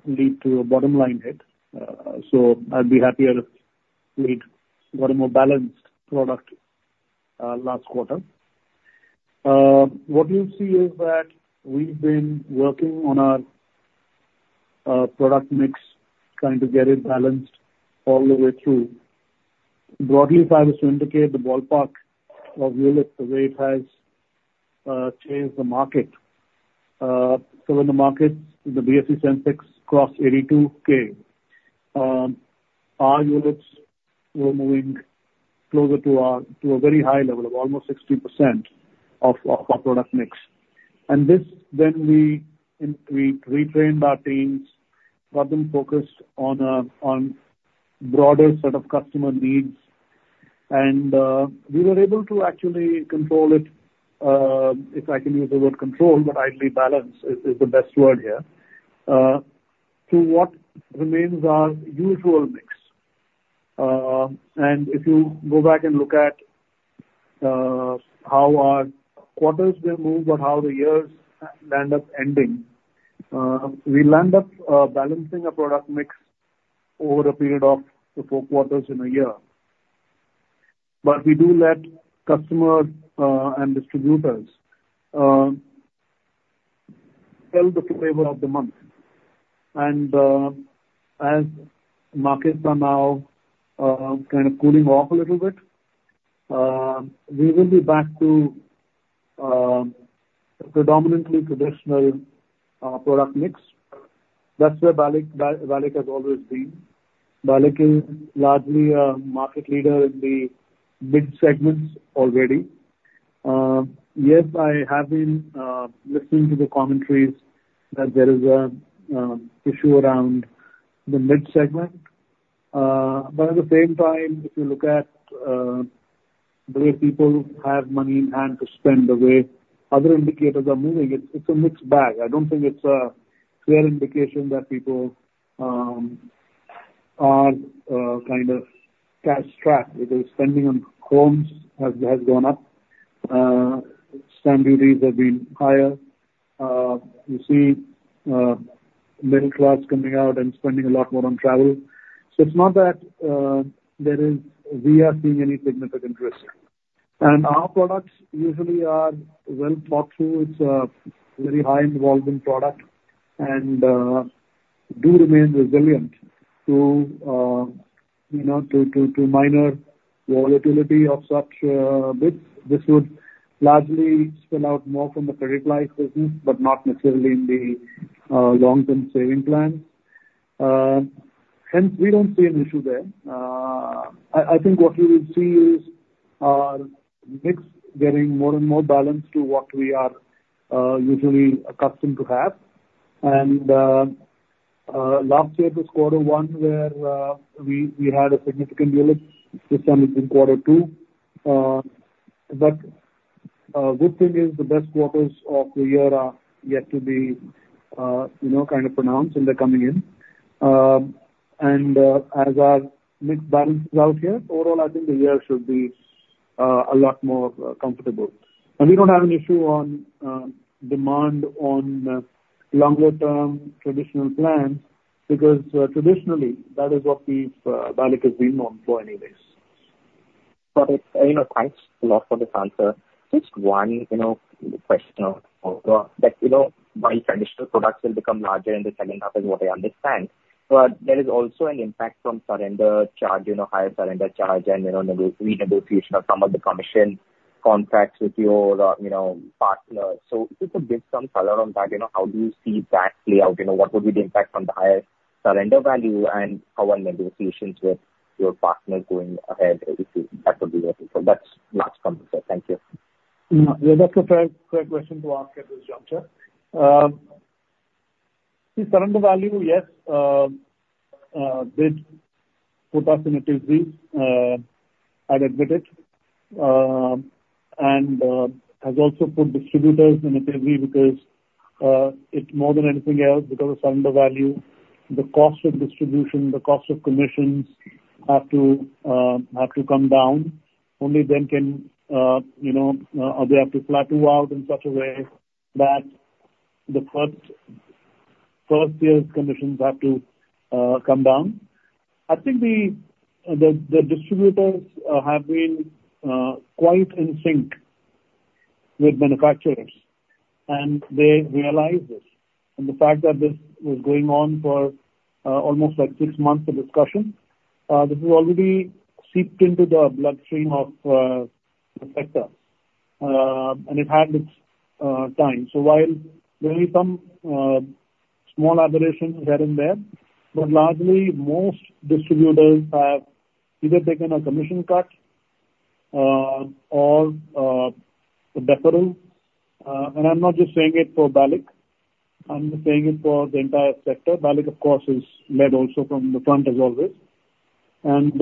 lead to a bottom line hit. So I'd be happier if we had got a more balanced product last quarter. What you'll see is that we've been working on our product mix, trying to get it balanced all the way through. Broadly, if I was to indicate the ballpark of ULIP, the way it has changed the market, so when the market, the BSE Sensex, crossed eighty-two K, our ULIPs were moving closer to a, to a very high level of almost 60% of our product mix. This, then we trained our teams, got them focused on a broader set of customer needs. We were able to actually control it, if I can use the word control, but I believe balance is the best word here, to what remains our usual mix. If you go back and look at how our quarters may move or how the years end up ending, we land up balancing a product mix over a period of the four quarters in a year. But we do let customers and distributors sell the flavor of the month. As markets are now kind of cooling off a little bit, we will be back to predominantly traditional product mix. That's where Bajaj has always been. Bajaj is largely a market leader in the mid segments already. Yes, I have been listening to the commentaries that there is an issue around the mid segment. But at the same time, if you look at the way people have money to spend the way other indicators are moving, it's a mixed bag. I don't think it's a clear indication that people are kind of cash-strapped, because spending on homes has gone up. Stamp duties have been higher. You see, middle class coming out and spending a lot more on travel. So it's not that there is we are seeing any significant risk. Our products usually are well thought through. It's a very high involvement product and do remain resilient to you know to minor volatility of such bits. This would largely spill out more from the credit life business, but not necessarily in the long-term saving plan. I think what you will see is our mix getting more and more balanced to what we are usually accustomed to have, and last year was quarter one, where we had a significant ULIP. This time it's in quarter two, but good thing is, the best quarters of the year are yet to be you know kind of pronounced, and they're coming in, and as our mix balances out here, overall, I think the year should be a lot more comfortable, and we don't have an issue on demand on longer-term traditional plans, because traditionally, that is what we've BALIC has been known for anyways. Got it. You know, thanks a lot for this answer. Just one, you know, question on that. You know, while traditional products will become larger in the second half is what I understand, but there is also an impact from surrender charge, you know, higher surrender charge and, you know, negotiation of some of the commission contracts with your, you know, partners. So if you could give some color on that, you know, how do you see that play out? You know, what would be the impact on the higher surrender value and how are negotiations with your partners going ahead? If you, that would be helpful. That's last one, sir. Thank you. Yeah, that's a fair, fair question to ask at this juncture. The surrender value, yes, did put us in a tizzy. I'll admit it, and has also put distributors in a tizzy because it's more than anything else, because of surrender value, the cost of distribution, the cost of commissions have to come down. Only then can you know or they have to plateau out in such a way that the first year's commissions have to come down. I think the distributors have been quite in sync with manufacturers, and they realize this. And the fact that this was going on for almost like six months of discussion, this has already seeped into the bloodstream of the sector and it had its time. So while there will be some small aberrations here and there, but largely most distributors have either taken a commission cut, or a deferral. And I'm not just saying it for BALIC. I'm saying it for the entire sector. BALIC, of course, is led also from the front as always. And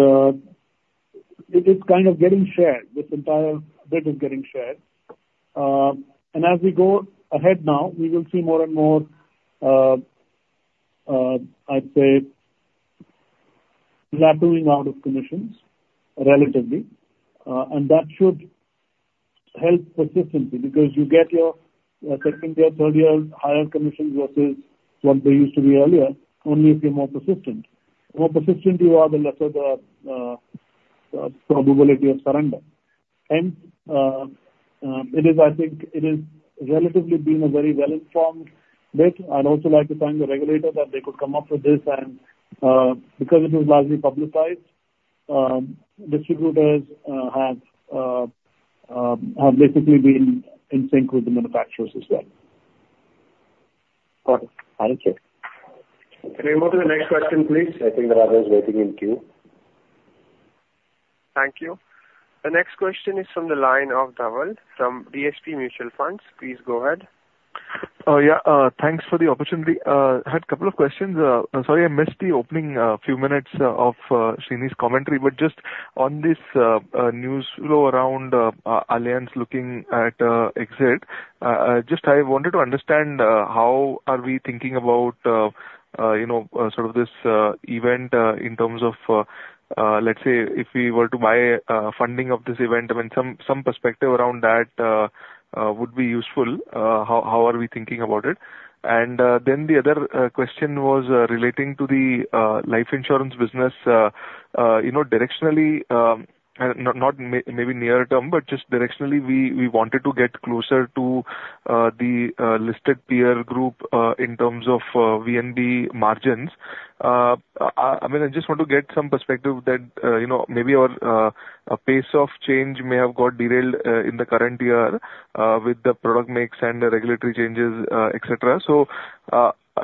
it is kind of getting shared. This entire bit is getting shared. And as we go ahead now, we will see more and more. I'd say leveling out of commissions relatively. And that should help persistently, because you get your second year, third year, higher commissions versus what they used to be earlier, only if you're more persistent. More persistent you are, the lesser the probability of surrender. And it is I think, it is relatively been a very well-informed bit. I'd also like to thank the regulator that they could come up with this and, because it is largely publicized, distributors have basically been in sync with the manufacturers as well. Got it. Thank you. Can we move to the next question, please? I think there are others waiting in queue. Thank you. The next question is from the line of Dhaval from DSP Mutual Fund. Please go ahead. Yeah, thanks for the opportunity. I had a couple of questions. Sorry, I missed the opening few minutes of Srini's commentary, but just on this news flow around Allianz looking at exit. Just, I wanted to understand how are we thinking about, you know, sort of this event in terms of, let's say if we were to buyout funding of this event. I mean, some perspective around that would be useful. How are we thinking about it? And then the other question was relating to the life insurance business. You know, directionally, not maybe near term, but just directionally, we wanted to get closer to the listed peer group in terms of VNB margins. I mean, I just want to get some perspective that you know, maybe our pace of change may have got derailed in the current year with the product mix and the regulatory changes, et cetera. So,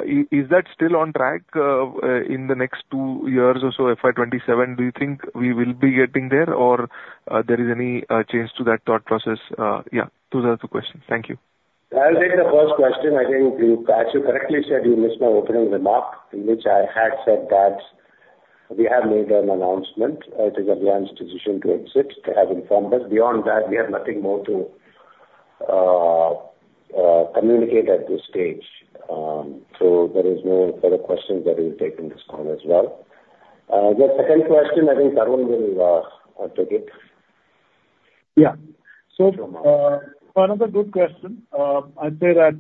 is that still on track in the next two years or so, FY 2027, do you think we will be getting there? Or, there is any change to that thought process? Yeah, those are the two questions. Thank you. I'll take the first question. I think you, as you correctly said, you missed my opening remark, in which I had said that we have made an announcement. It is Allianz's decision to exit. They have informed us. Beyond that, we have nothing more to communicate at this stage. So there is no further question that is taking this call as well. The second question, I think Tarun will take it. Yeah. So, uh- Another good question. I'd say that,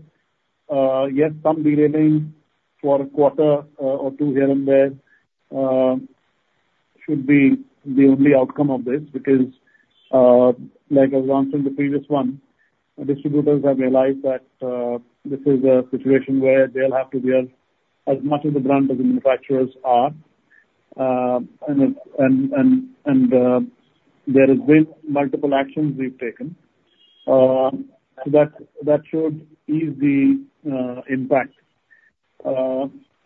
yes, some delaying for a quarter, or two here and there, should be the only outcome of this. Because, like I was answering the previous one, distributors have realized that, this is a situation where they'll have to bear as much of the brand as the manufacturers are. And there has been multiple actions we've taken. So that, that should ease the, impact.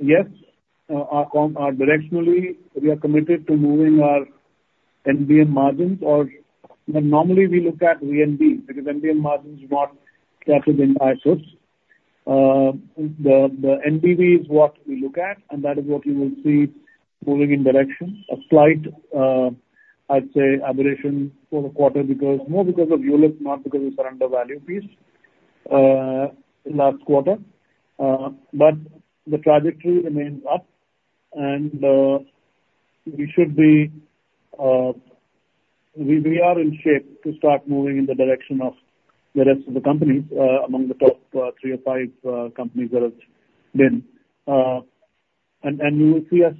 Yes, directionally, we are committed to moving our NBM margins or... But normally we look at VNB, because NBM margin is not captured in Ind AS. The NBV is what we look at, and that is what you will see moving in directions. A slight, I'd say, aberration for the quarter, because more because of ULIP, not because of surrender value piece, last quarter. But the trajectory remains up, and we should be, we are in shape to start moving in the direction of the rest of the company, among the top three or five companies that have been. And you will see us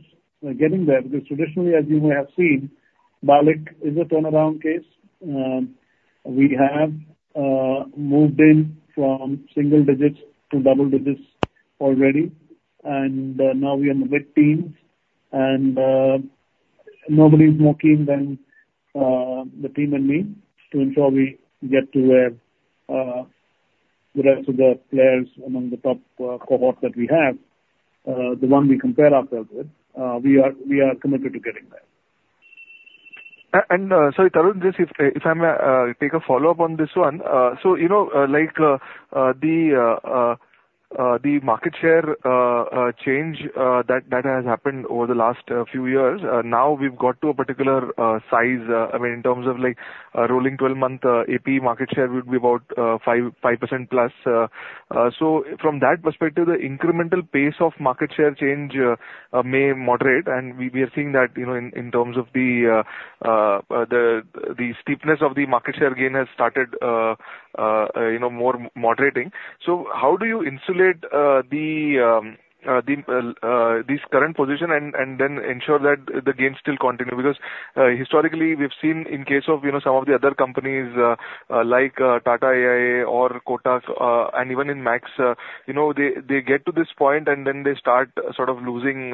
getting there, because traditionally, as you may have seen, BALIC is a turnaround case. We have moved in from single digits to double digits already, and now we are with teens, and nobody is more keen than the team and me to ensure we get to where the rest of the players among the top cohorts that we have, the one we compare ourselves with. We are, we are committed to getting there. Sorry, Tarun, just if I may take a follow-up on this one. So, you know, like, the market share change that has happened over the last few years, now we've got to a particular size, I mean, in terms of, like, rolling twelve-month AP market share would be about 5.5% plus. So from that perspective, the incremental pace of market share change may moderate, and we are seeing that, you know, in terms of the steepness of the market share gain has started, you know, more moderating. So how do you insulate the this current position and then ensure that the gain still continue? Because, historically, we've seen in case of, you know, some of the other companies, like, Tata AIA or Kotak, and even in Max, you know, they get to this point, and then they start sort of losing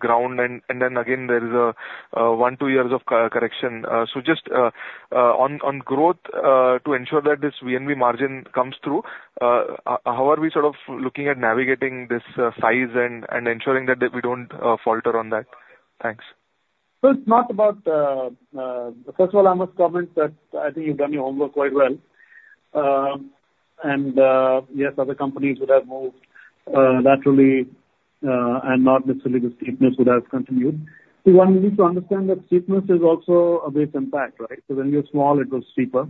ground, and then again, there is a one, two years of course correction. So just on growth, to ensure that this VNB margin comes through, how are we sort of looking at navigating this size and ensuring that we don't falter on that? Thanks. So it's not about first of all, I must comment that I think you've done your homework quite well. And yes, other companies would have moved naturally, and not necessarily the steepness would have continued. So one needs to understand that steepness is also a base impact, right? So when you're small, it was steeper.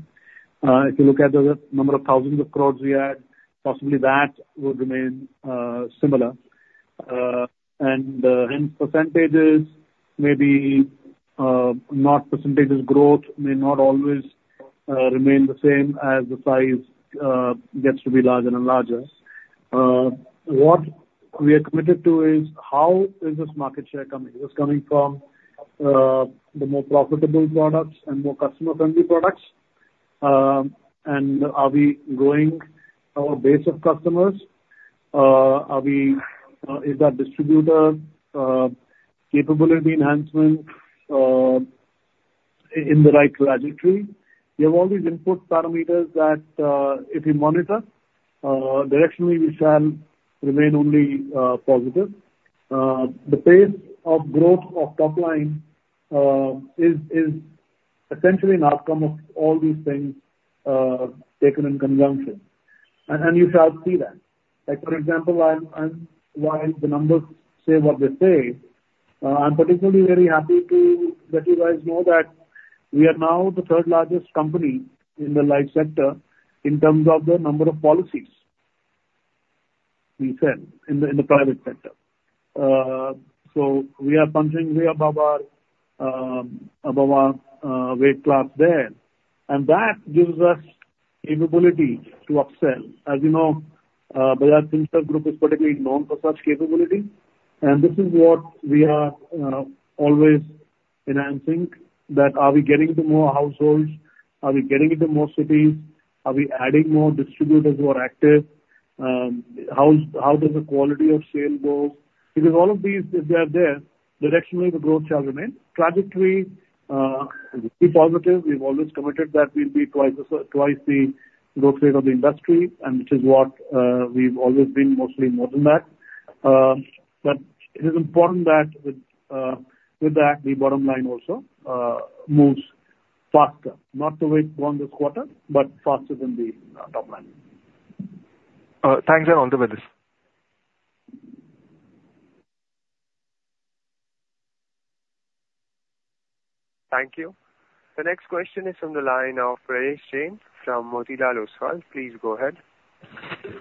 If you look at the number of thousands of crores we had, possibly that would remain similar. And in percentages, maybe not percentages growth may not always remain the same as the size gets to be larger and larger. What we are committed to is how is this market share coming? It's coming from the more profitable products and more customer-friendly products. And are we growing our base of customers? Are we is that distributor capability enhancement in the right trajectory? You have all these input parameters that, if you monitor, directionally, we shall remain only positive. The pace of growth of top line is essentially an outcome of all these things taken in conjunction. And you shall see that. Like, for example, I'm -- while the numbers say what they say, I'm particularly very happy to let you guys know that we are now the third largest company in the life sector in terms of the number of policies we sell in the private sector. So we are punching way above our weight class there, and that gives us capability to upsell. As you know, Bajaj Finserv Group is particularly known for such capability, and this is what we are always enhancing: that are we getting into more households? Are we getting into more cities? Are we adding more distributors who are active? How does the quality of sale go? Because all of these, if they are there, directionally, the growth shall remain. Trajectory be positive. We've always committed that we'll be twice the growth rate of the industry, and which is what we've always been mostly more than that. But it is important that with that, the bottom line also moves faster, not to wait one this quarter, but faster than the top line. Thanks a lot, Madhu. Thank you. The next question is from the line of Prayesh Jain from Motilal Oswal. Please go ahead.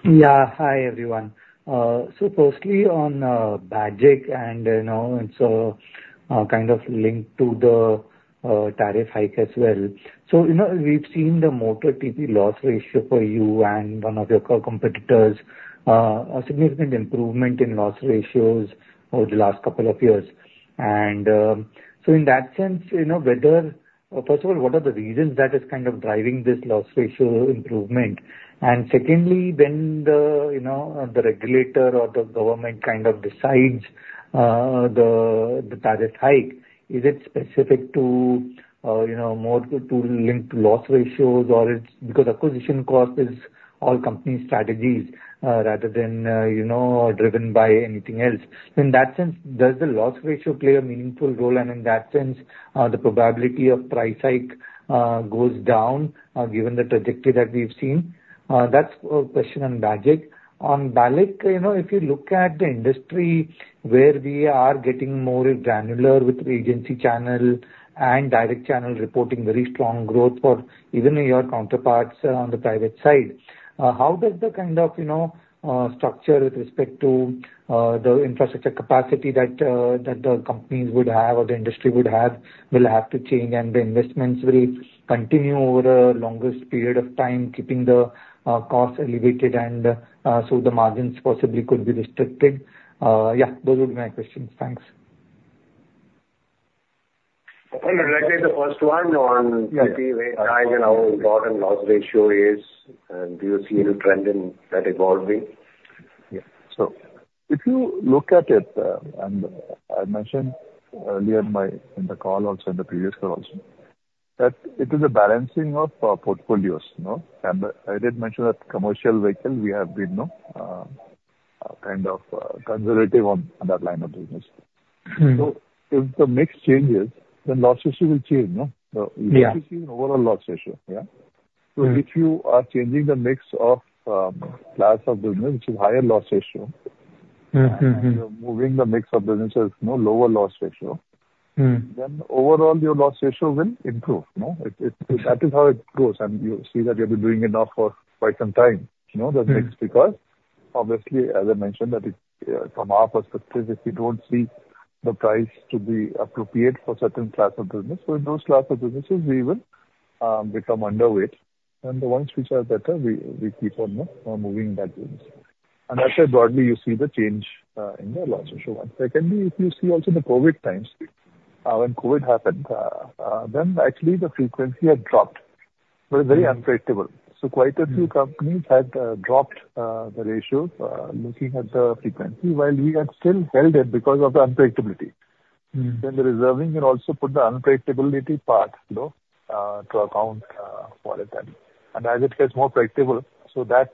Yeah. Hi, everyone. So firstly on Bajaj, and, you know, and so kind of linked to the tariff hike as well. So, you know, we've seen the motor TP loss ratio for you and one of your core competitors a significant improvement in loss ratios over the last couple of years. And, so in that sense, you know, whether... First of all, what are the reasons that is kind of driving this loss ratio improvement? And secondly, when the, you know, the regulator or the government kind of decides the tariff hike, is it specific to, you know, more to link to loss ratios or it's because acquisition cost is all company strategies rather than, you know, driven by anything else? In that sense, does the loss ratio play a meaningful role, and in that sense, the probability of price hike goes down, given the trajectory that we've seen? That's a question on BAGIC. On BALIC, you know, if you look at the industry where we are getting more granular with the agency channel and direct channel reporting very strong growth for even your counterparts on the private side, how does the kind of, you know, structure with respect to, the infrastructure capacity that the companies would have or the industry would have, will have to change, and the investments will continue over the longest period of time, keeping the costs elevated and, so the margins possibly could be restricted? Yeah, those would be my questions. Thanks. Well, directly, the first one on- Yeah. TP rate hike and how important loss ratio is, and do you see any trend in that evolving? Yeah. So if you look at it, and I mentioned earlier in my, in the call, also in the previous call also, that it is a balancing of portfolios, you know? And I did mention that commercial vehicle, we have been kind of conservative on that line of business. Mm-hmm. So if the mix changes, then loss ratio will change, no? Yeah. So you have to see an overall loss ratio, yeah? Mm. So if you are changing the mix of, class of business, which is higher loss ratio- Mm-hmm, mm-hmm. and you're moving the mix of businesses, you know, lower loss ratio. Mm... then overall your loss ratio will improve, no? It, that is how it goes, and you see that we have been doing it now for quite some time, you know, the mix- Mm. Because obviously, as I mentioned, that it from our perspective, if we don't see the price to be appropriate for certain class of business, so in those class of businesses, we will become underweight. And the ones which are better, we keep on moving that business. Mm-hmm. And that's why broadly you see the change in the loss ratio one. Secondly, if you see also the COVID times, when COVID happened, then actually the frequency had dropped. But it's very unpredictable. So quite a few companies had dropped the ratio looking at the frequency, while we have still held it because of the unpredictability. Mm. Then the reserving and also put the unpredictability part, you know, to account for that. And as it gets more predictable, so that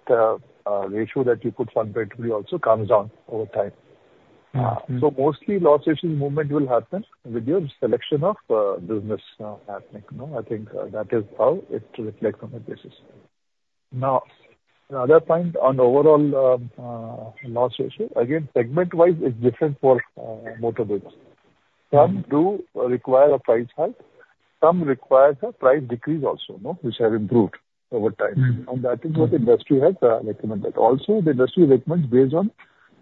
ratio that you put for unpredictability also comes down over time. Mm. So mostly loss ratio movement will happen with your selection of business happening, you know. I think that is how it reflects on the business. Now, another point on the overall loss ratio, again, segment-wise, it's different for motor business. Some do require a price hike, some requires a price decrease also, no, which have improved over time. Mm. That is what the industry has recommended. Also, the industry recommends based on,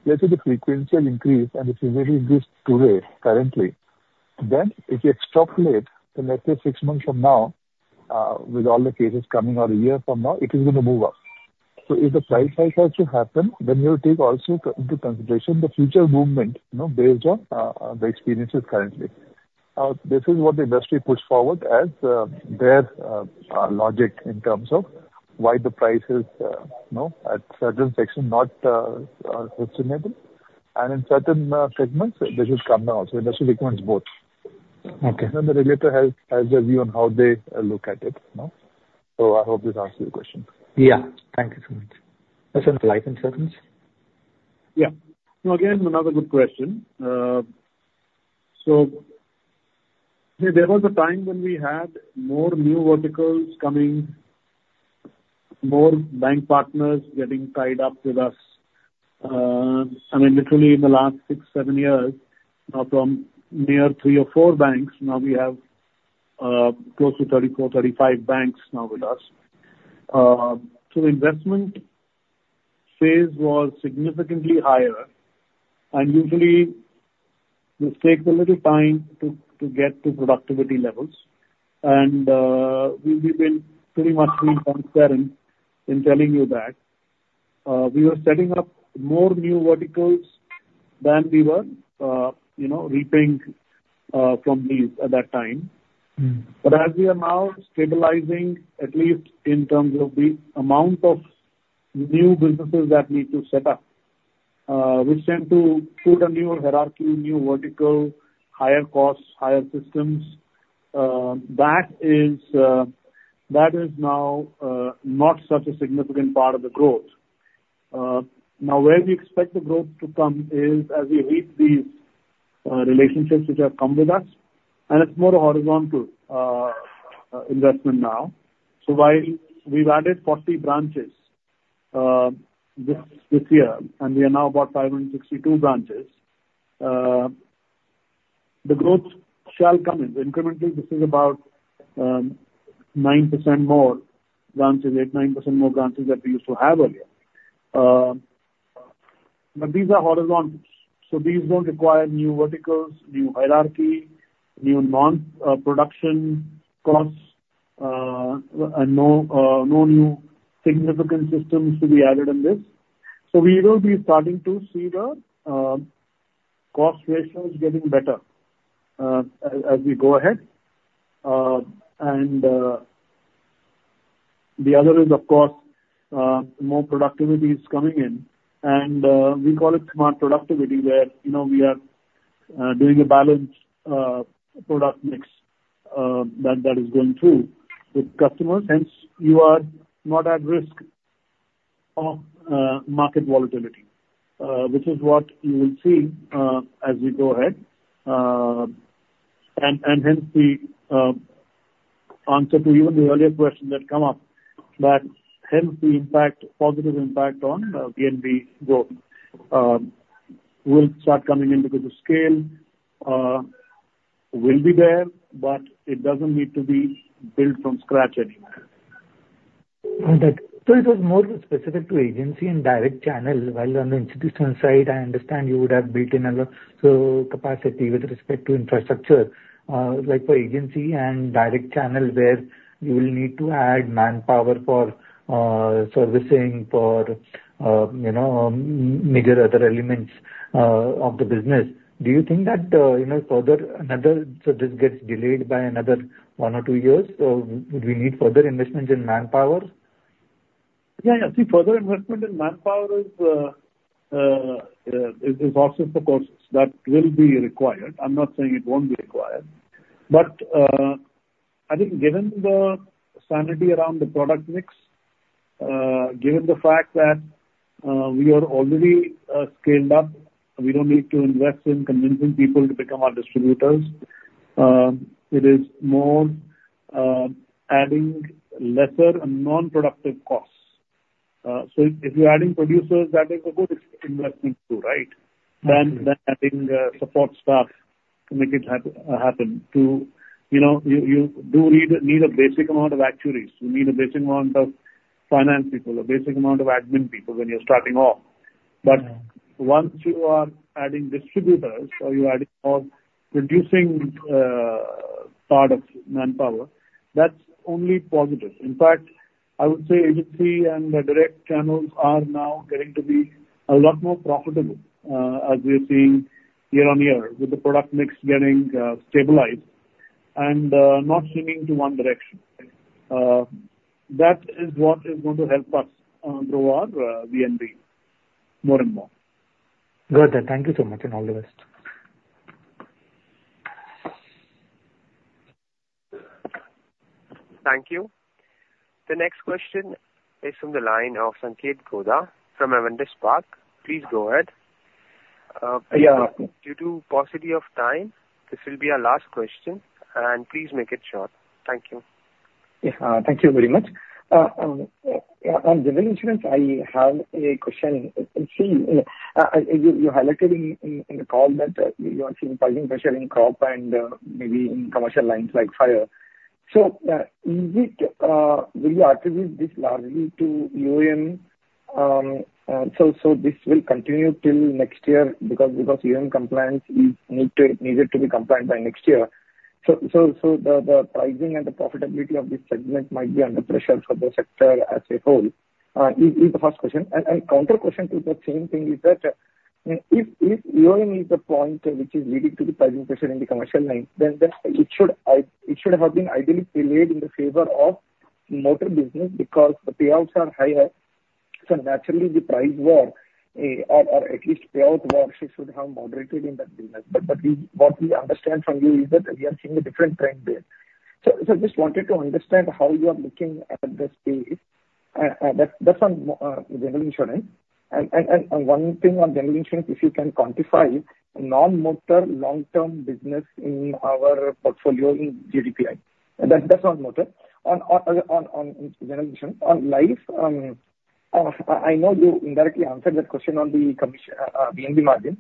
let's say the frequency will increase, and if it will increase today, currently, then if you extrapolate the next six months from now, with all the cases coming out a year from now, it is going to move up, so if the price hike has to happen, then you take also into consideration the future movement, you know, based on the experiences currently. This is what the industry pushed forward as their logic in terms of why the prices, you know, at certain section not sustainable, and in certain segments, they should come down also. Industry recommends both. Okay. Then the regulator has a view on how they look at it, you know? So I hope this answers your question. Yeah. Thank you so much. As in life insurance? Yeah. So again, another good question. So there was a time when we had more new verticals coming, more bank partners getting tied up with us. I mean, literally in the last six, seven years, from near three or four banks, now we have close to 34, 35 banks now with us. So investment phase was significantly higher, and usually this takes a little time to get to productivity levels. And we've been pretty much being transparent in telling you that we were setting up more new verticals than we were you know reaping from these at that time. Mm. But as we are now stabilizing, at least in terms of the amount of new businesses that need to set up, which tend to build a new hierarchy, new vertical, higher costs, higher systems, that is, that is now not such a significant part of the growth. Now where we expect the growth to come is as we reap these relationships which have come with us, and it's more horizontal investment now. So while we've added 40 branches this year, and we are now about 562 branches, the growth shall come in. Incrementally, this is about 9% more branches, 8-9% more branches that we used to have earlier. But these are horizontals, so these don't require new verticals, new hierarchy, new non-production costs, and no new significant systems to be added in this. So we will be starting to see the cost ratios getting better as we go ahead, and the other is, of course, more productivity is coming in, and we call it smart productivity, where, you know, we are doing a balanced product mix that is going through with customers. Hence, you are not at risk of market volatility, which is what you will see as we go ahead, and hence the answer to even the earlier question that come up, that hence the impact, positive impact on VNB growth. Will start coming in because the scale will be there, but it doesn't need to be built from scratch anywhere. Understood. So it was more specific to agency and direct channel. While on the institutional side, I understand you would have built in a lot, so capacity with respect to infrastructure, like for agency and direct channel, where you will need to add manpower for, servicing, for, you know, major other elements of the business. Do you think that, you know, further, another so this gets delayed by another one or two years? So would we need further investments in manpower? Yeah, yeah. See, further investment in manpower is also for courses that will be required. I'm not saying it won't be required. But, I think given the sanity around the product mix, given the fact that, we are already scaled up, we don't need to invest in convincing people to become our distributors, it is more adding lesser and non-productive costs. So if you're adding producers, that is a good investment too, right? Mm-hmm. Then adding support staff to make it happen. You know, you do need a basic amount of actuaries. You need a basic amount of finance people, a basic amount of admin people when you're starting off. Yeah. But once you are adding distributors or you're adding or reducing part of manpower, that's only positive. In fact, I would say agency and the direct channels are now getting to be a lot more profitable, as we are seeing year-on-year, with the product mix getting stabilized and not swinging to one direction. That is what is going to help us grow our VNB more and more. Got that. Thank you so much, and all the best. Thank you. The next question is from the line of Sanketh Godha from Avendus Spark. Please go ahead. Yeah. Due to paucity of time, this will be our last question, and please make it short. Thank you. Yeah. Thank you very much. On general insurance, I have a question. You highlighted in the call that you are seeing pricing pressure in crop and maybe in commercial lines, like, fire. So, will you attribute this largely to EOM? So this will continue till next year because EOM compliance is needed to be compliant by next year. So the pricing and the profitability of this segment might be under pressure for the sector as a whole, is the first question. A counter question to the same thing is that, if EOM is the point which is leading to the pricing pressure in the commercial line, then it should have been ideally delayed in favor of motor business because the payouts are higher. So naturally, the price war, or at least payout war, should have moderated in that business. But we understand from you that we are seeing a different trend there. So just wanted to understand how you are looking at the space. That's on general insurance. One thing on general insurance, if you can quantify non-motor, long-term business in our portfolio in GDPI, that's not motor. On general insurance. On life, I know you indirectly answered that question on the commission, VNB margin.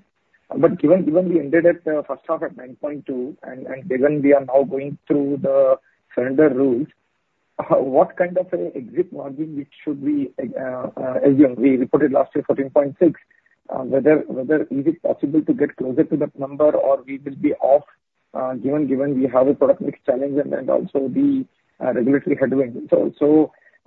But given we ended at first half at 9.2%, and given we are now going through the surrender rules, what kind of an exit margin we should be assume? We reported last year, 14.6%. Whether is it possible to get closer to that number or we will be off, given we have a product mix challenge and then also the regulatory headwinds.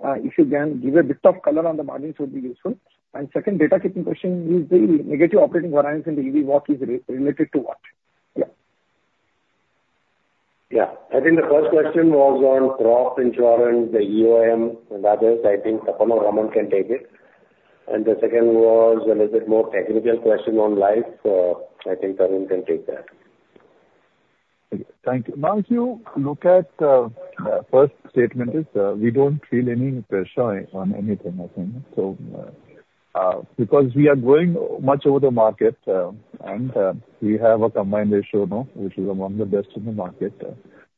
If you can give a bit of color on the margins would be useful. And second housekeeping question is the negative operating variance in the EV walk is related to what? Yeah. I think the first question was on crop insurance, the EOM and others. I think Tapan or Ramandeep can take it. The second was a little bit more technical question on life. I think Tarun can take that. Thank you. Now, if you look at, first statement is, we don't feel any pressure on anything, I think. So, because we are growing much over the market, and, we have a combined ratio, which is among the best in the market.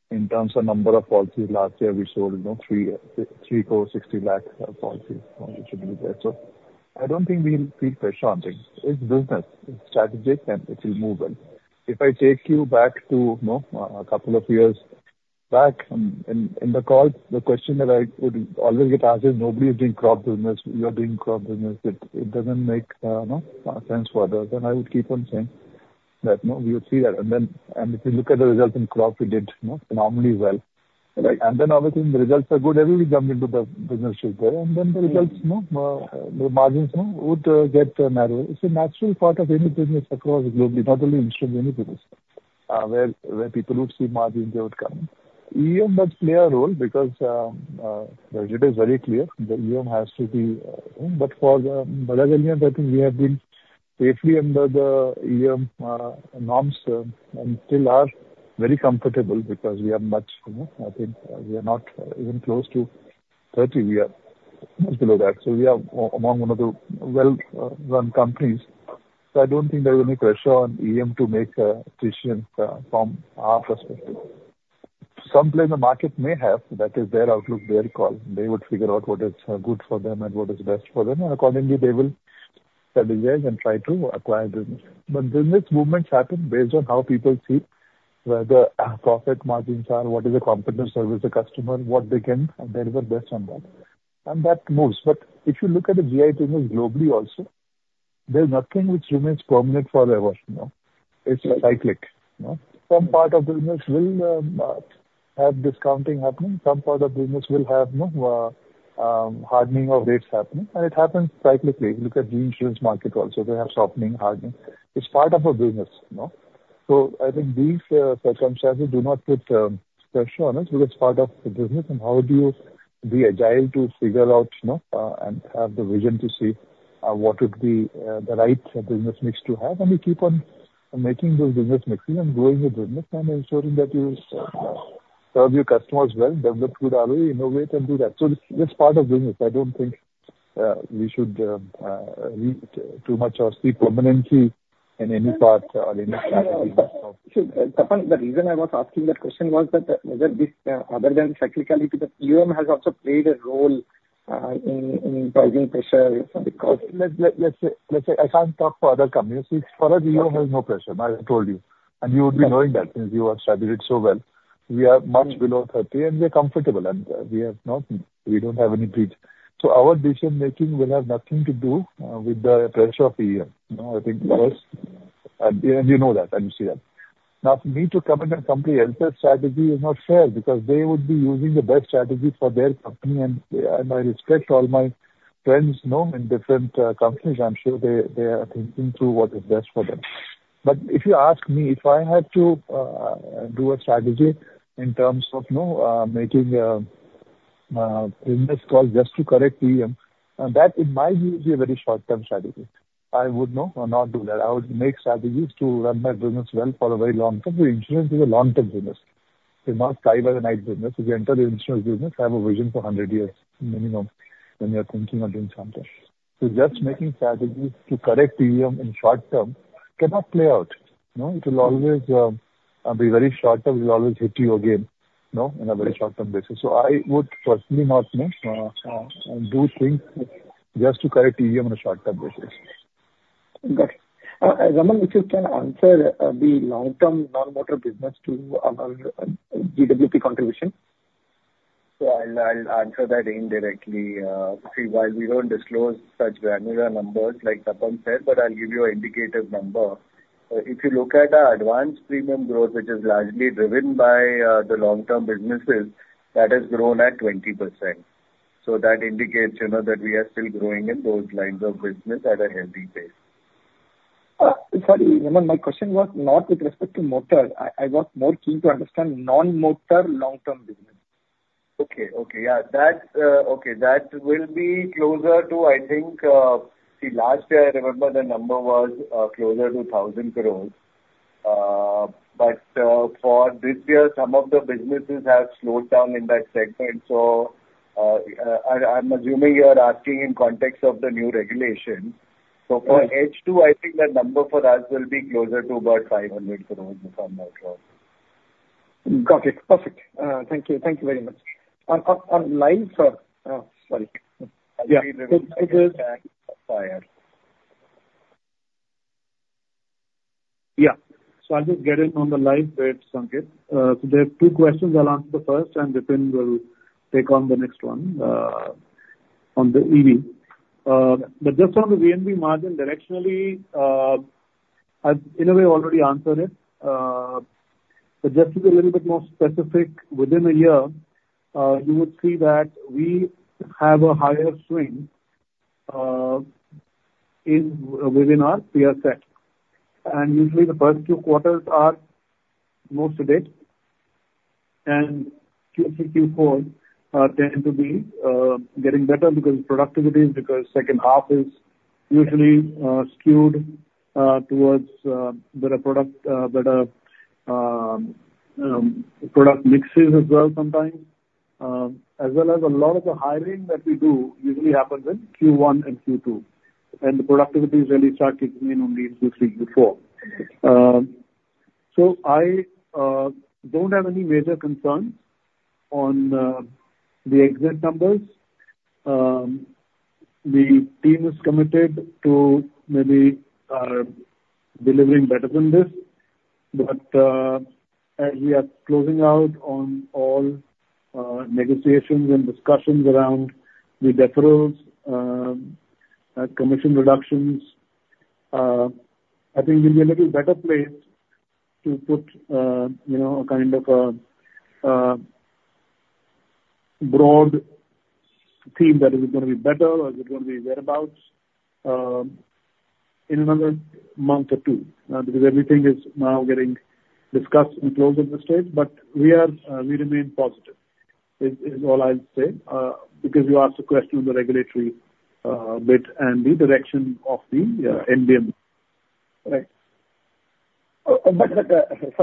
In terms of number of policies, last year we sold, you know, 33,460 lakh policies. It should be there. So I don't think we'll feel pressure on things. It's business, it's strategic, and it will move well. If I take you back to, you know, a couple of years back in the call, the question that I would always get asked is nobody is doing crop business. You are doing crop business. It doesn't make, you know, sense for others. I would keep on saying that, no, we will see that. And then, if you look at the results in crop, we did, you know, normally well. And then obviously the results are good, everybody jumped into the business ship there, and then the results, you know, the margins, you know, would get narrower. It's a natural part of any business across globally, not only insurance, any business, where people would see margins, they would come. EOM does play a role because, it is very clear the EOM has to be. But for Bajaj Allianz, I think we have been safely under the EOM norms, and still are very comfortable because we are much, you know, I think we are not even close to thirty, we are much below that. So we are one of the well run companies. So I don't think there is any pressure on EOM to make a decision, from our perspective. Some players in the market may have, that is their outlook, their call. They would figure out what is good for them and what is best for them, and accordingly, they will strategize and try to acquire business. But business movements happen based on how people see where the profit margins are, what is the competition, service to the customer, and what they can deliver best on that, and that moves. But if you look at the GI business globally also, there's nothing which remains permanent forever, you know? It's cyclic, you know. Some part of business will have discounting happening. Some part of business will have, you know, hardening of rates happening, and it happens cyclically. Look at the insurance market also, they have softening, hardening. It's part of our business, you know? So I think these circumstances do not put pressure on us, because part of the business and how do you be agile to figure out, you know, and have the vision to see what would be the right business mix to have. And we keep on making those business mixing and growing the business and ensuring that you serve your customers well. Develop good array, innovate, and do that. So it's part of business. I don't think we should read too much or see permanently in any part or any strategy. Tapan, the reason I was asking that question was that whether this, other than cyclicality, the EOM has also played a role, in pricing pressure because- Let's say I can't talk for other companies. For us, EOM has no pressure, I told you, and you would be knowing that since you have studied it so well. We are much below thirty, and we are comfortable, and we don't have any greed. So our decision-making will have nothing to do with the pressure of EOM. No, I think for us-... And you know that, and you see that. Now, for me to come in and company else's strategy is not fair, because they would be using the best strategy for their company, and I respect all my friends, you know, in different companies. I'm sure they are thinking through what is best for them. But if you ask me, if I had to do a strategy in terms of, you know, making a business call just to correct PM, that in my view is a very short-term strategy. I would know or not do that. I would make strategies to run my business well for a very long time. So insurance is a long-term business. It's not fly-by-night business. If you enter the insurance business, I have a vision for hundred years minimum when we are thinking of doing something. So just making strategies to correct PM in short term cannot play out, no? It will always be very short term, it will always hit you again, no? In a very short-term basis. So I would personally not, you know, do things just to correct PM on a short-term basis. Got it. Ramandeep, if you can answer the long-term non-motor business to GWP contribution? So I'll answer that indirectly. See, while we don't disclose such granular numbers, but I'll give you an indicative number. If you look at our advanced premium growth, which is largely driven by the long-term businesses, that has grown at 20%. So that indicates, you know, that we are still growing in those lines of business at a healthy pace. Sorry, Ramandeep, my question was not with respect to motor. I was more keen to understand non-motor long-term business. Okay. Yeah, that's okay. That will be closer to, I think, see. Last year I remember the number was closer to thousand crores. But for this year, some of the businesses have slowed down in that segment, so I'm assuming you're asking in context of the new regulation. Right. For H2, I think the number for us will be closer to about 500 crores, if I'm not wrong. Got it. Perfect. Thank you. Thank you very much. On live or, sorry. Yeah, it is- Yeah. So I'll just get in on the live bit, Sanketh. So there are two questions. I'll answer the first, and Vipin will take on the next one, on the EV. But just on the VNB margin directionally, I've in a way already answered it. But just to be a little bit more specific, within a year, you would see that we have a higher swing, within our peer set. And usually the first two quarters are more today, and Q3, Q4 tend to be getting better because productivity, because second half is usually skewed towards better product, better product mixes as well sometimes. As well as a lot of the hiring that we do usually happens in Q1 and Q2, and the productivity is really start kicking in only in Q3, Q4. So I don't have any major concerns on the exit numbers. The team is committed to maybe delivering better than this, but as we are closing out on all negotiations and discussions around the deferrals, commission reductions, I think we'll be in a little better place to put you know, a kind of a broad theme that is gonna be better or is it gonna be whereabouts in another month or two, because everything is now getting discussed in closed industry. But we are, we remain positive, is all I'll say, because you asked a question on the regulatory bit and the direction of the Indian. Right. But is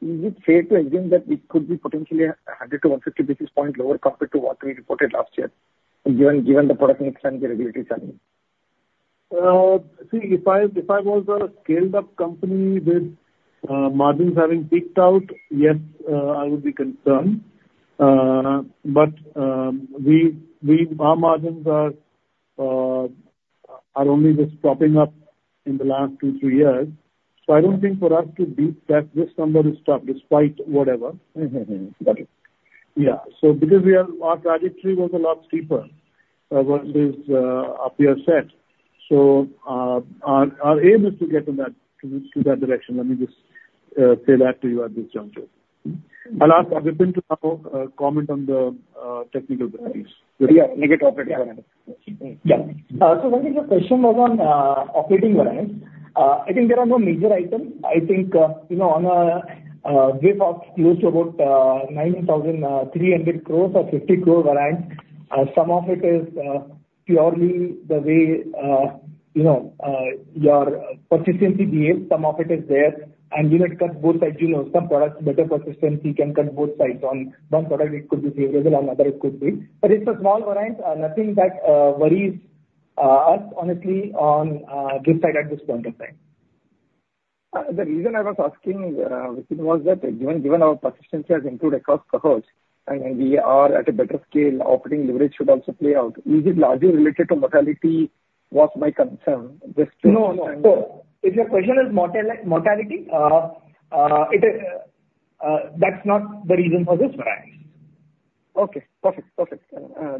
it fair to assume that it could be potentially 100-150 basis points lower compared to what we reported last year, given the product mix and the regulatory side? See, if I was a scaled-up company with margins having peaked out, yes, I would be concerned. But we, our margins are only just propping up in the last two, three years, so I don't think for us to beat that, this number is tough, despite whatever. Mm-hmm. Got it. Yeah, so because our trajectory was a lot steeper than this, our peer set, so our aim is to get to that direction. Let me just say that to you at this juncture. I'll ask Vipin to comment on the technical things. Yeah. Negative operating, yeah. Yeah. So I think the question was on operating variance. I think there are no major items. I think you know on a we have about 9,300 crores or 50 crore variance. Some of it is purely the way you know your persistency behaves, some of it is there, and we might cut both sides. You know some products, better persistency can cut both sides. On one product, it could be favorable, on other it could be. But it's a small variance, nothing that worries us honestly on this side at this point in time. The reason I was asking, Vipin, was that given our persistency has improved across cohorts and we are at a better scale, operating leverage should also play out. Is it largely related to mortality? Was my concern, just to- No, no. So if your question is mortality, it is, that's not the reason for this variance.... Okay, perfect, perfect.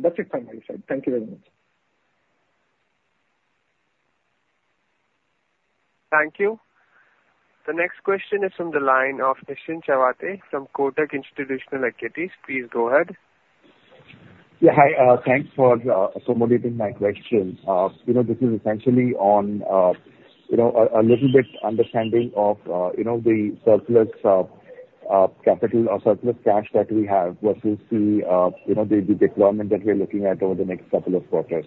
That's it from my side. Thank you very much. Thank you. The next question is from the line of Nischint Chawathe from Kotak Institutional Equities. Please go ahead. Yeah, hi. Thanks for accommodating my question. You know, this is essentially on you know, a little bit understanding of you know, the surplus capital or surplus cash that we have versus the you know, the deployment that we are looking at over the next couple of quarters.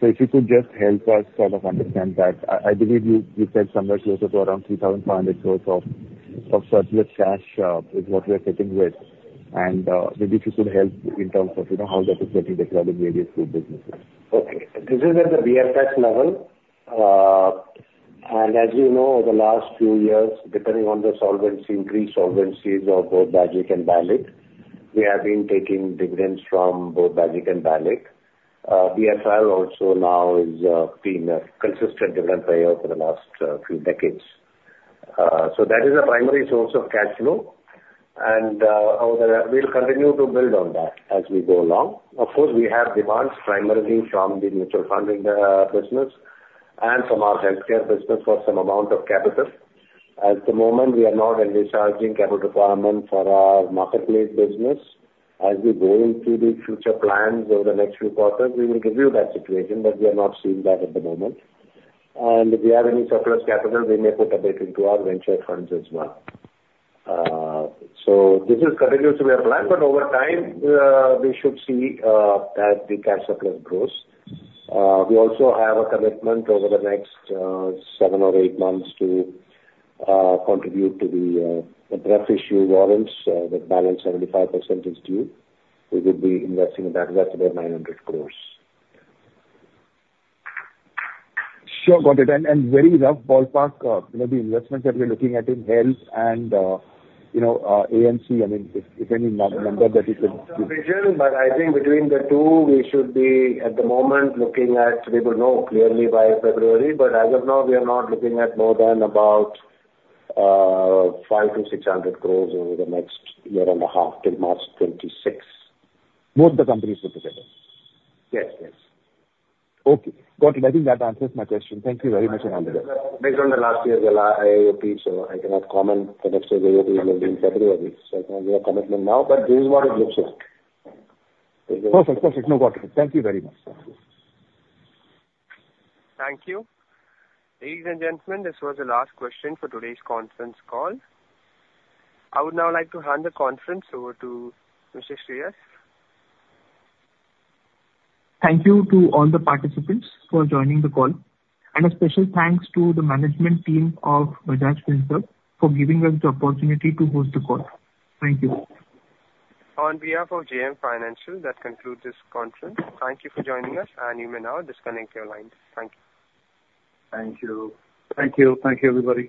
So if you could just help us sort of understand that. I believe you said somewhere closer to around 3,500 crores of surplus cash is what we are sitting with, and maybe if you could help in terms of you know, how that is getting deployed in various businesses. Okay. This is at the BFL level, and as you know, over the last few years, depending on the solvency, increased solvency of both Bajaj and BALIC, we have been taking dividends from both Bajaj and BALIC. BFL also now has been a consistent dividend payer for the last few decades, so that is a primary source of cash flow, and we'll continue to build on that as we go along. Of course, we have demands primarily from the mutual fund business and from our healthcare business for some amount of capital. At the moment, we are not envisaging capital requirement for our marketplace business. As we go into the future plans over the next few quarters, we will give you that situation, but we are not seeing that at the moment. And if we have any surplus capital, we may put a bit into our venture funds as well. So this continues to be our plan, but over time, we should see, as the cash surplus grows. We also have a commitment over the next seven or eight months to contribute to the draft issue warrants. That balance, 75% is due. We will be investing in that. That's about 900 crores. Sure, got it. And very rough ballpark, you know, the investments that we're looking at in health and, you know, AMC. I mean, if any number that you could give. But I think between the two, we should be, at the moment, looking at. We will know clearly by February, but as of now, we are not looking at more than about 500-600 crores over the next year and a half, till March 2026. Both the companies put together? Yes. Yes. Okay, got it. I think that answers my question. Thank you very much. Based on the last year's AOP, so I cannot comment on next year's AOP until February. So I can't give a commitment now, but this is what it looks like. Perfect. Perfect. No problem. Thank you very much. Thank you. Ladies and gentlemen, this was the last question for today's conference call. I would now like to hand the conference over to Mr. Shreyas. Thank you to all the participants for joining the call. And a special thanks to the management team of Bajaj Finserv for giving us the opportunity to host the call. Thank you. On behalf of JM Financial, that concludes this conference. Thank you for joining us, and you may now disconnect your lines. Thank you. Thank you. Thank you. Thank you, everybody.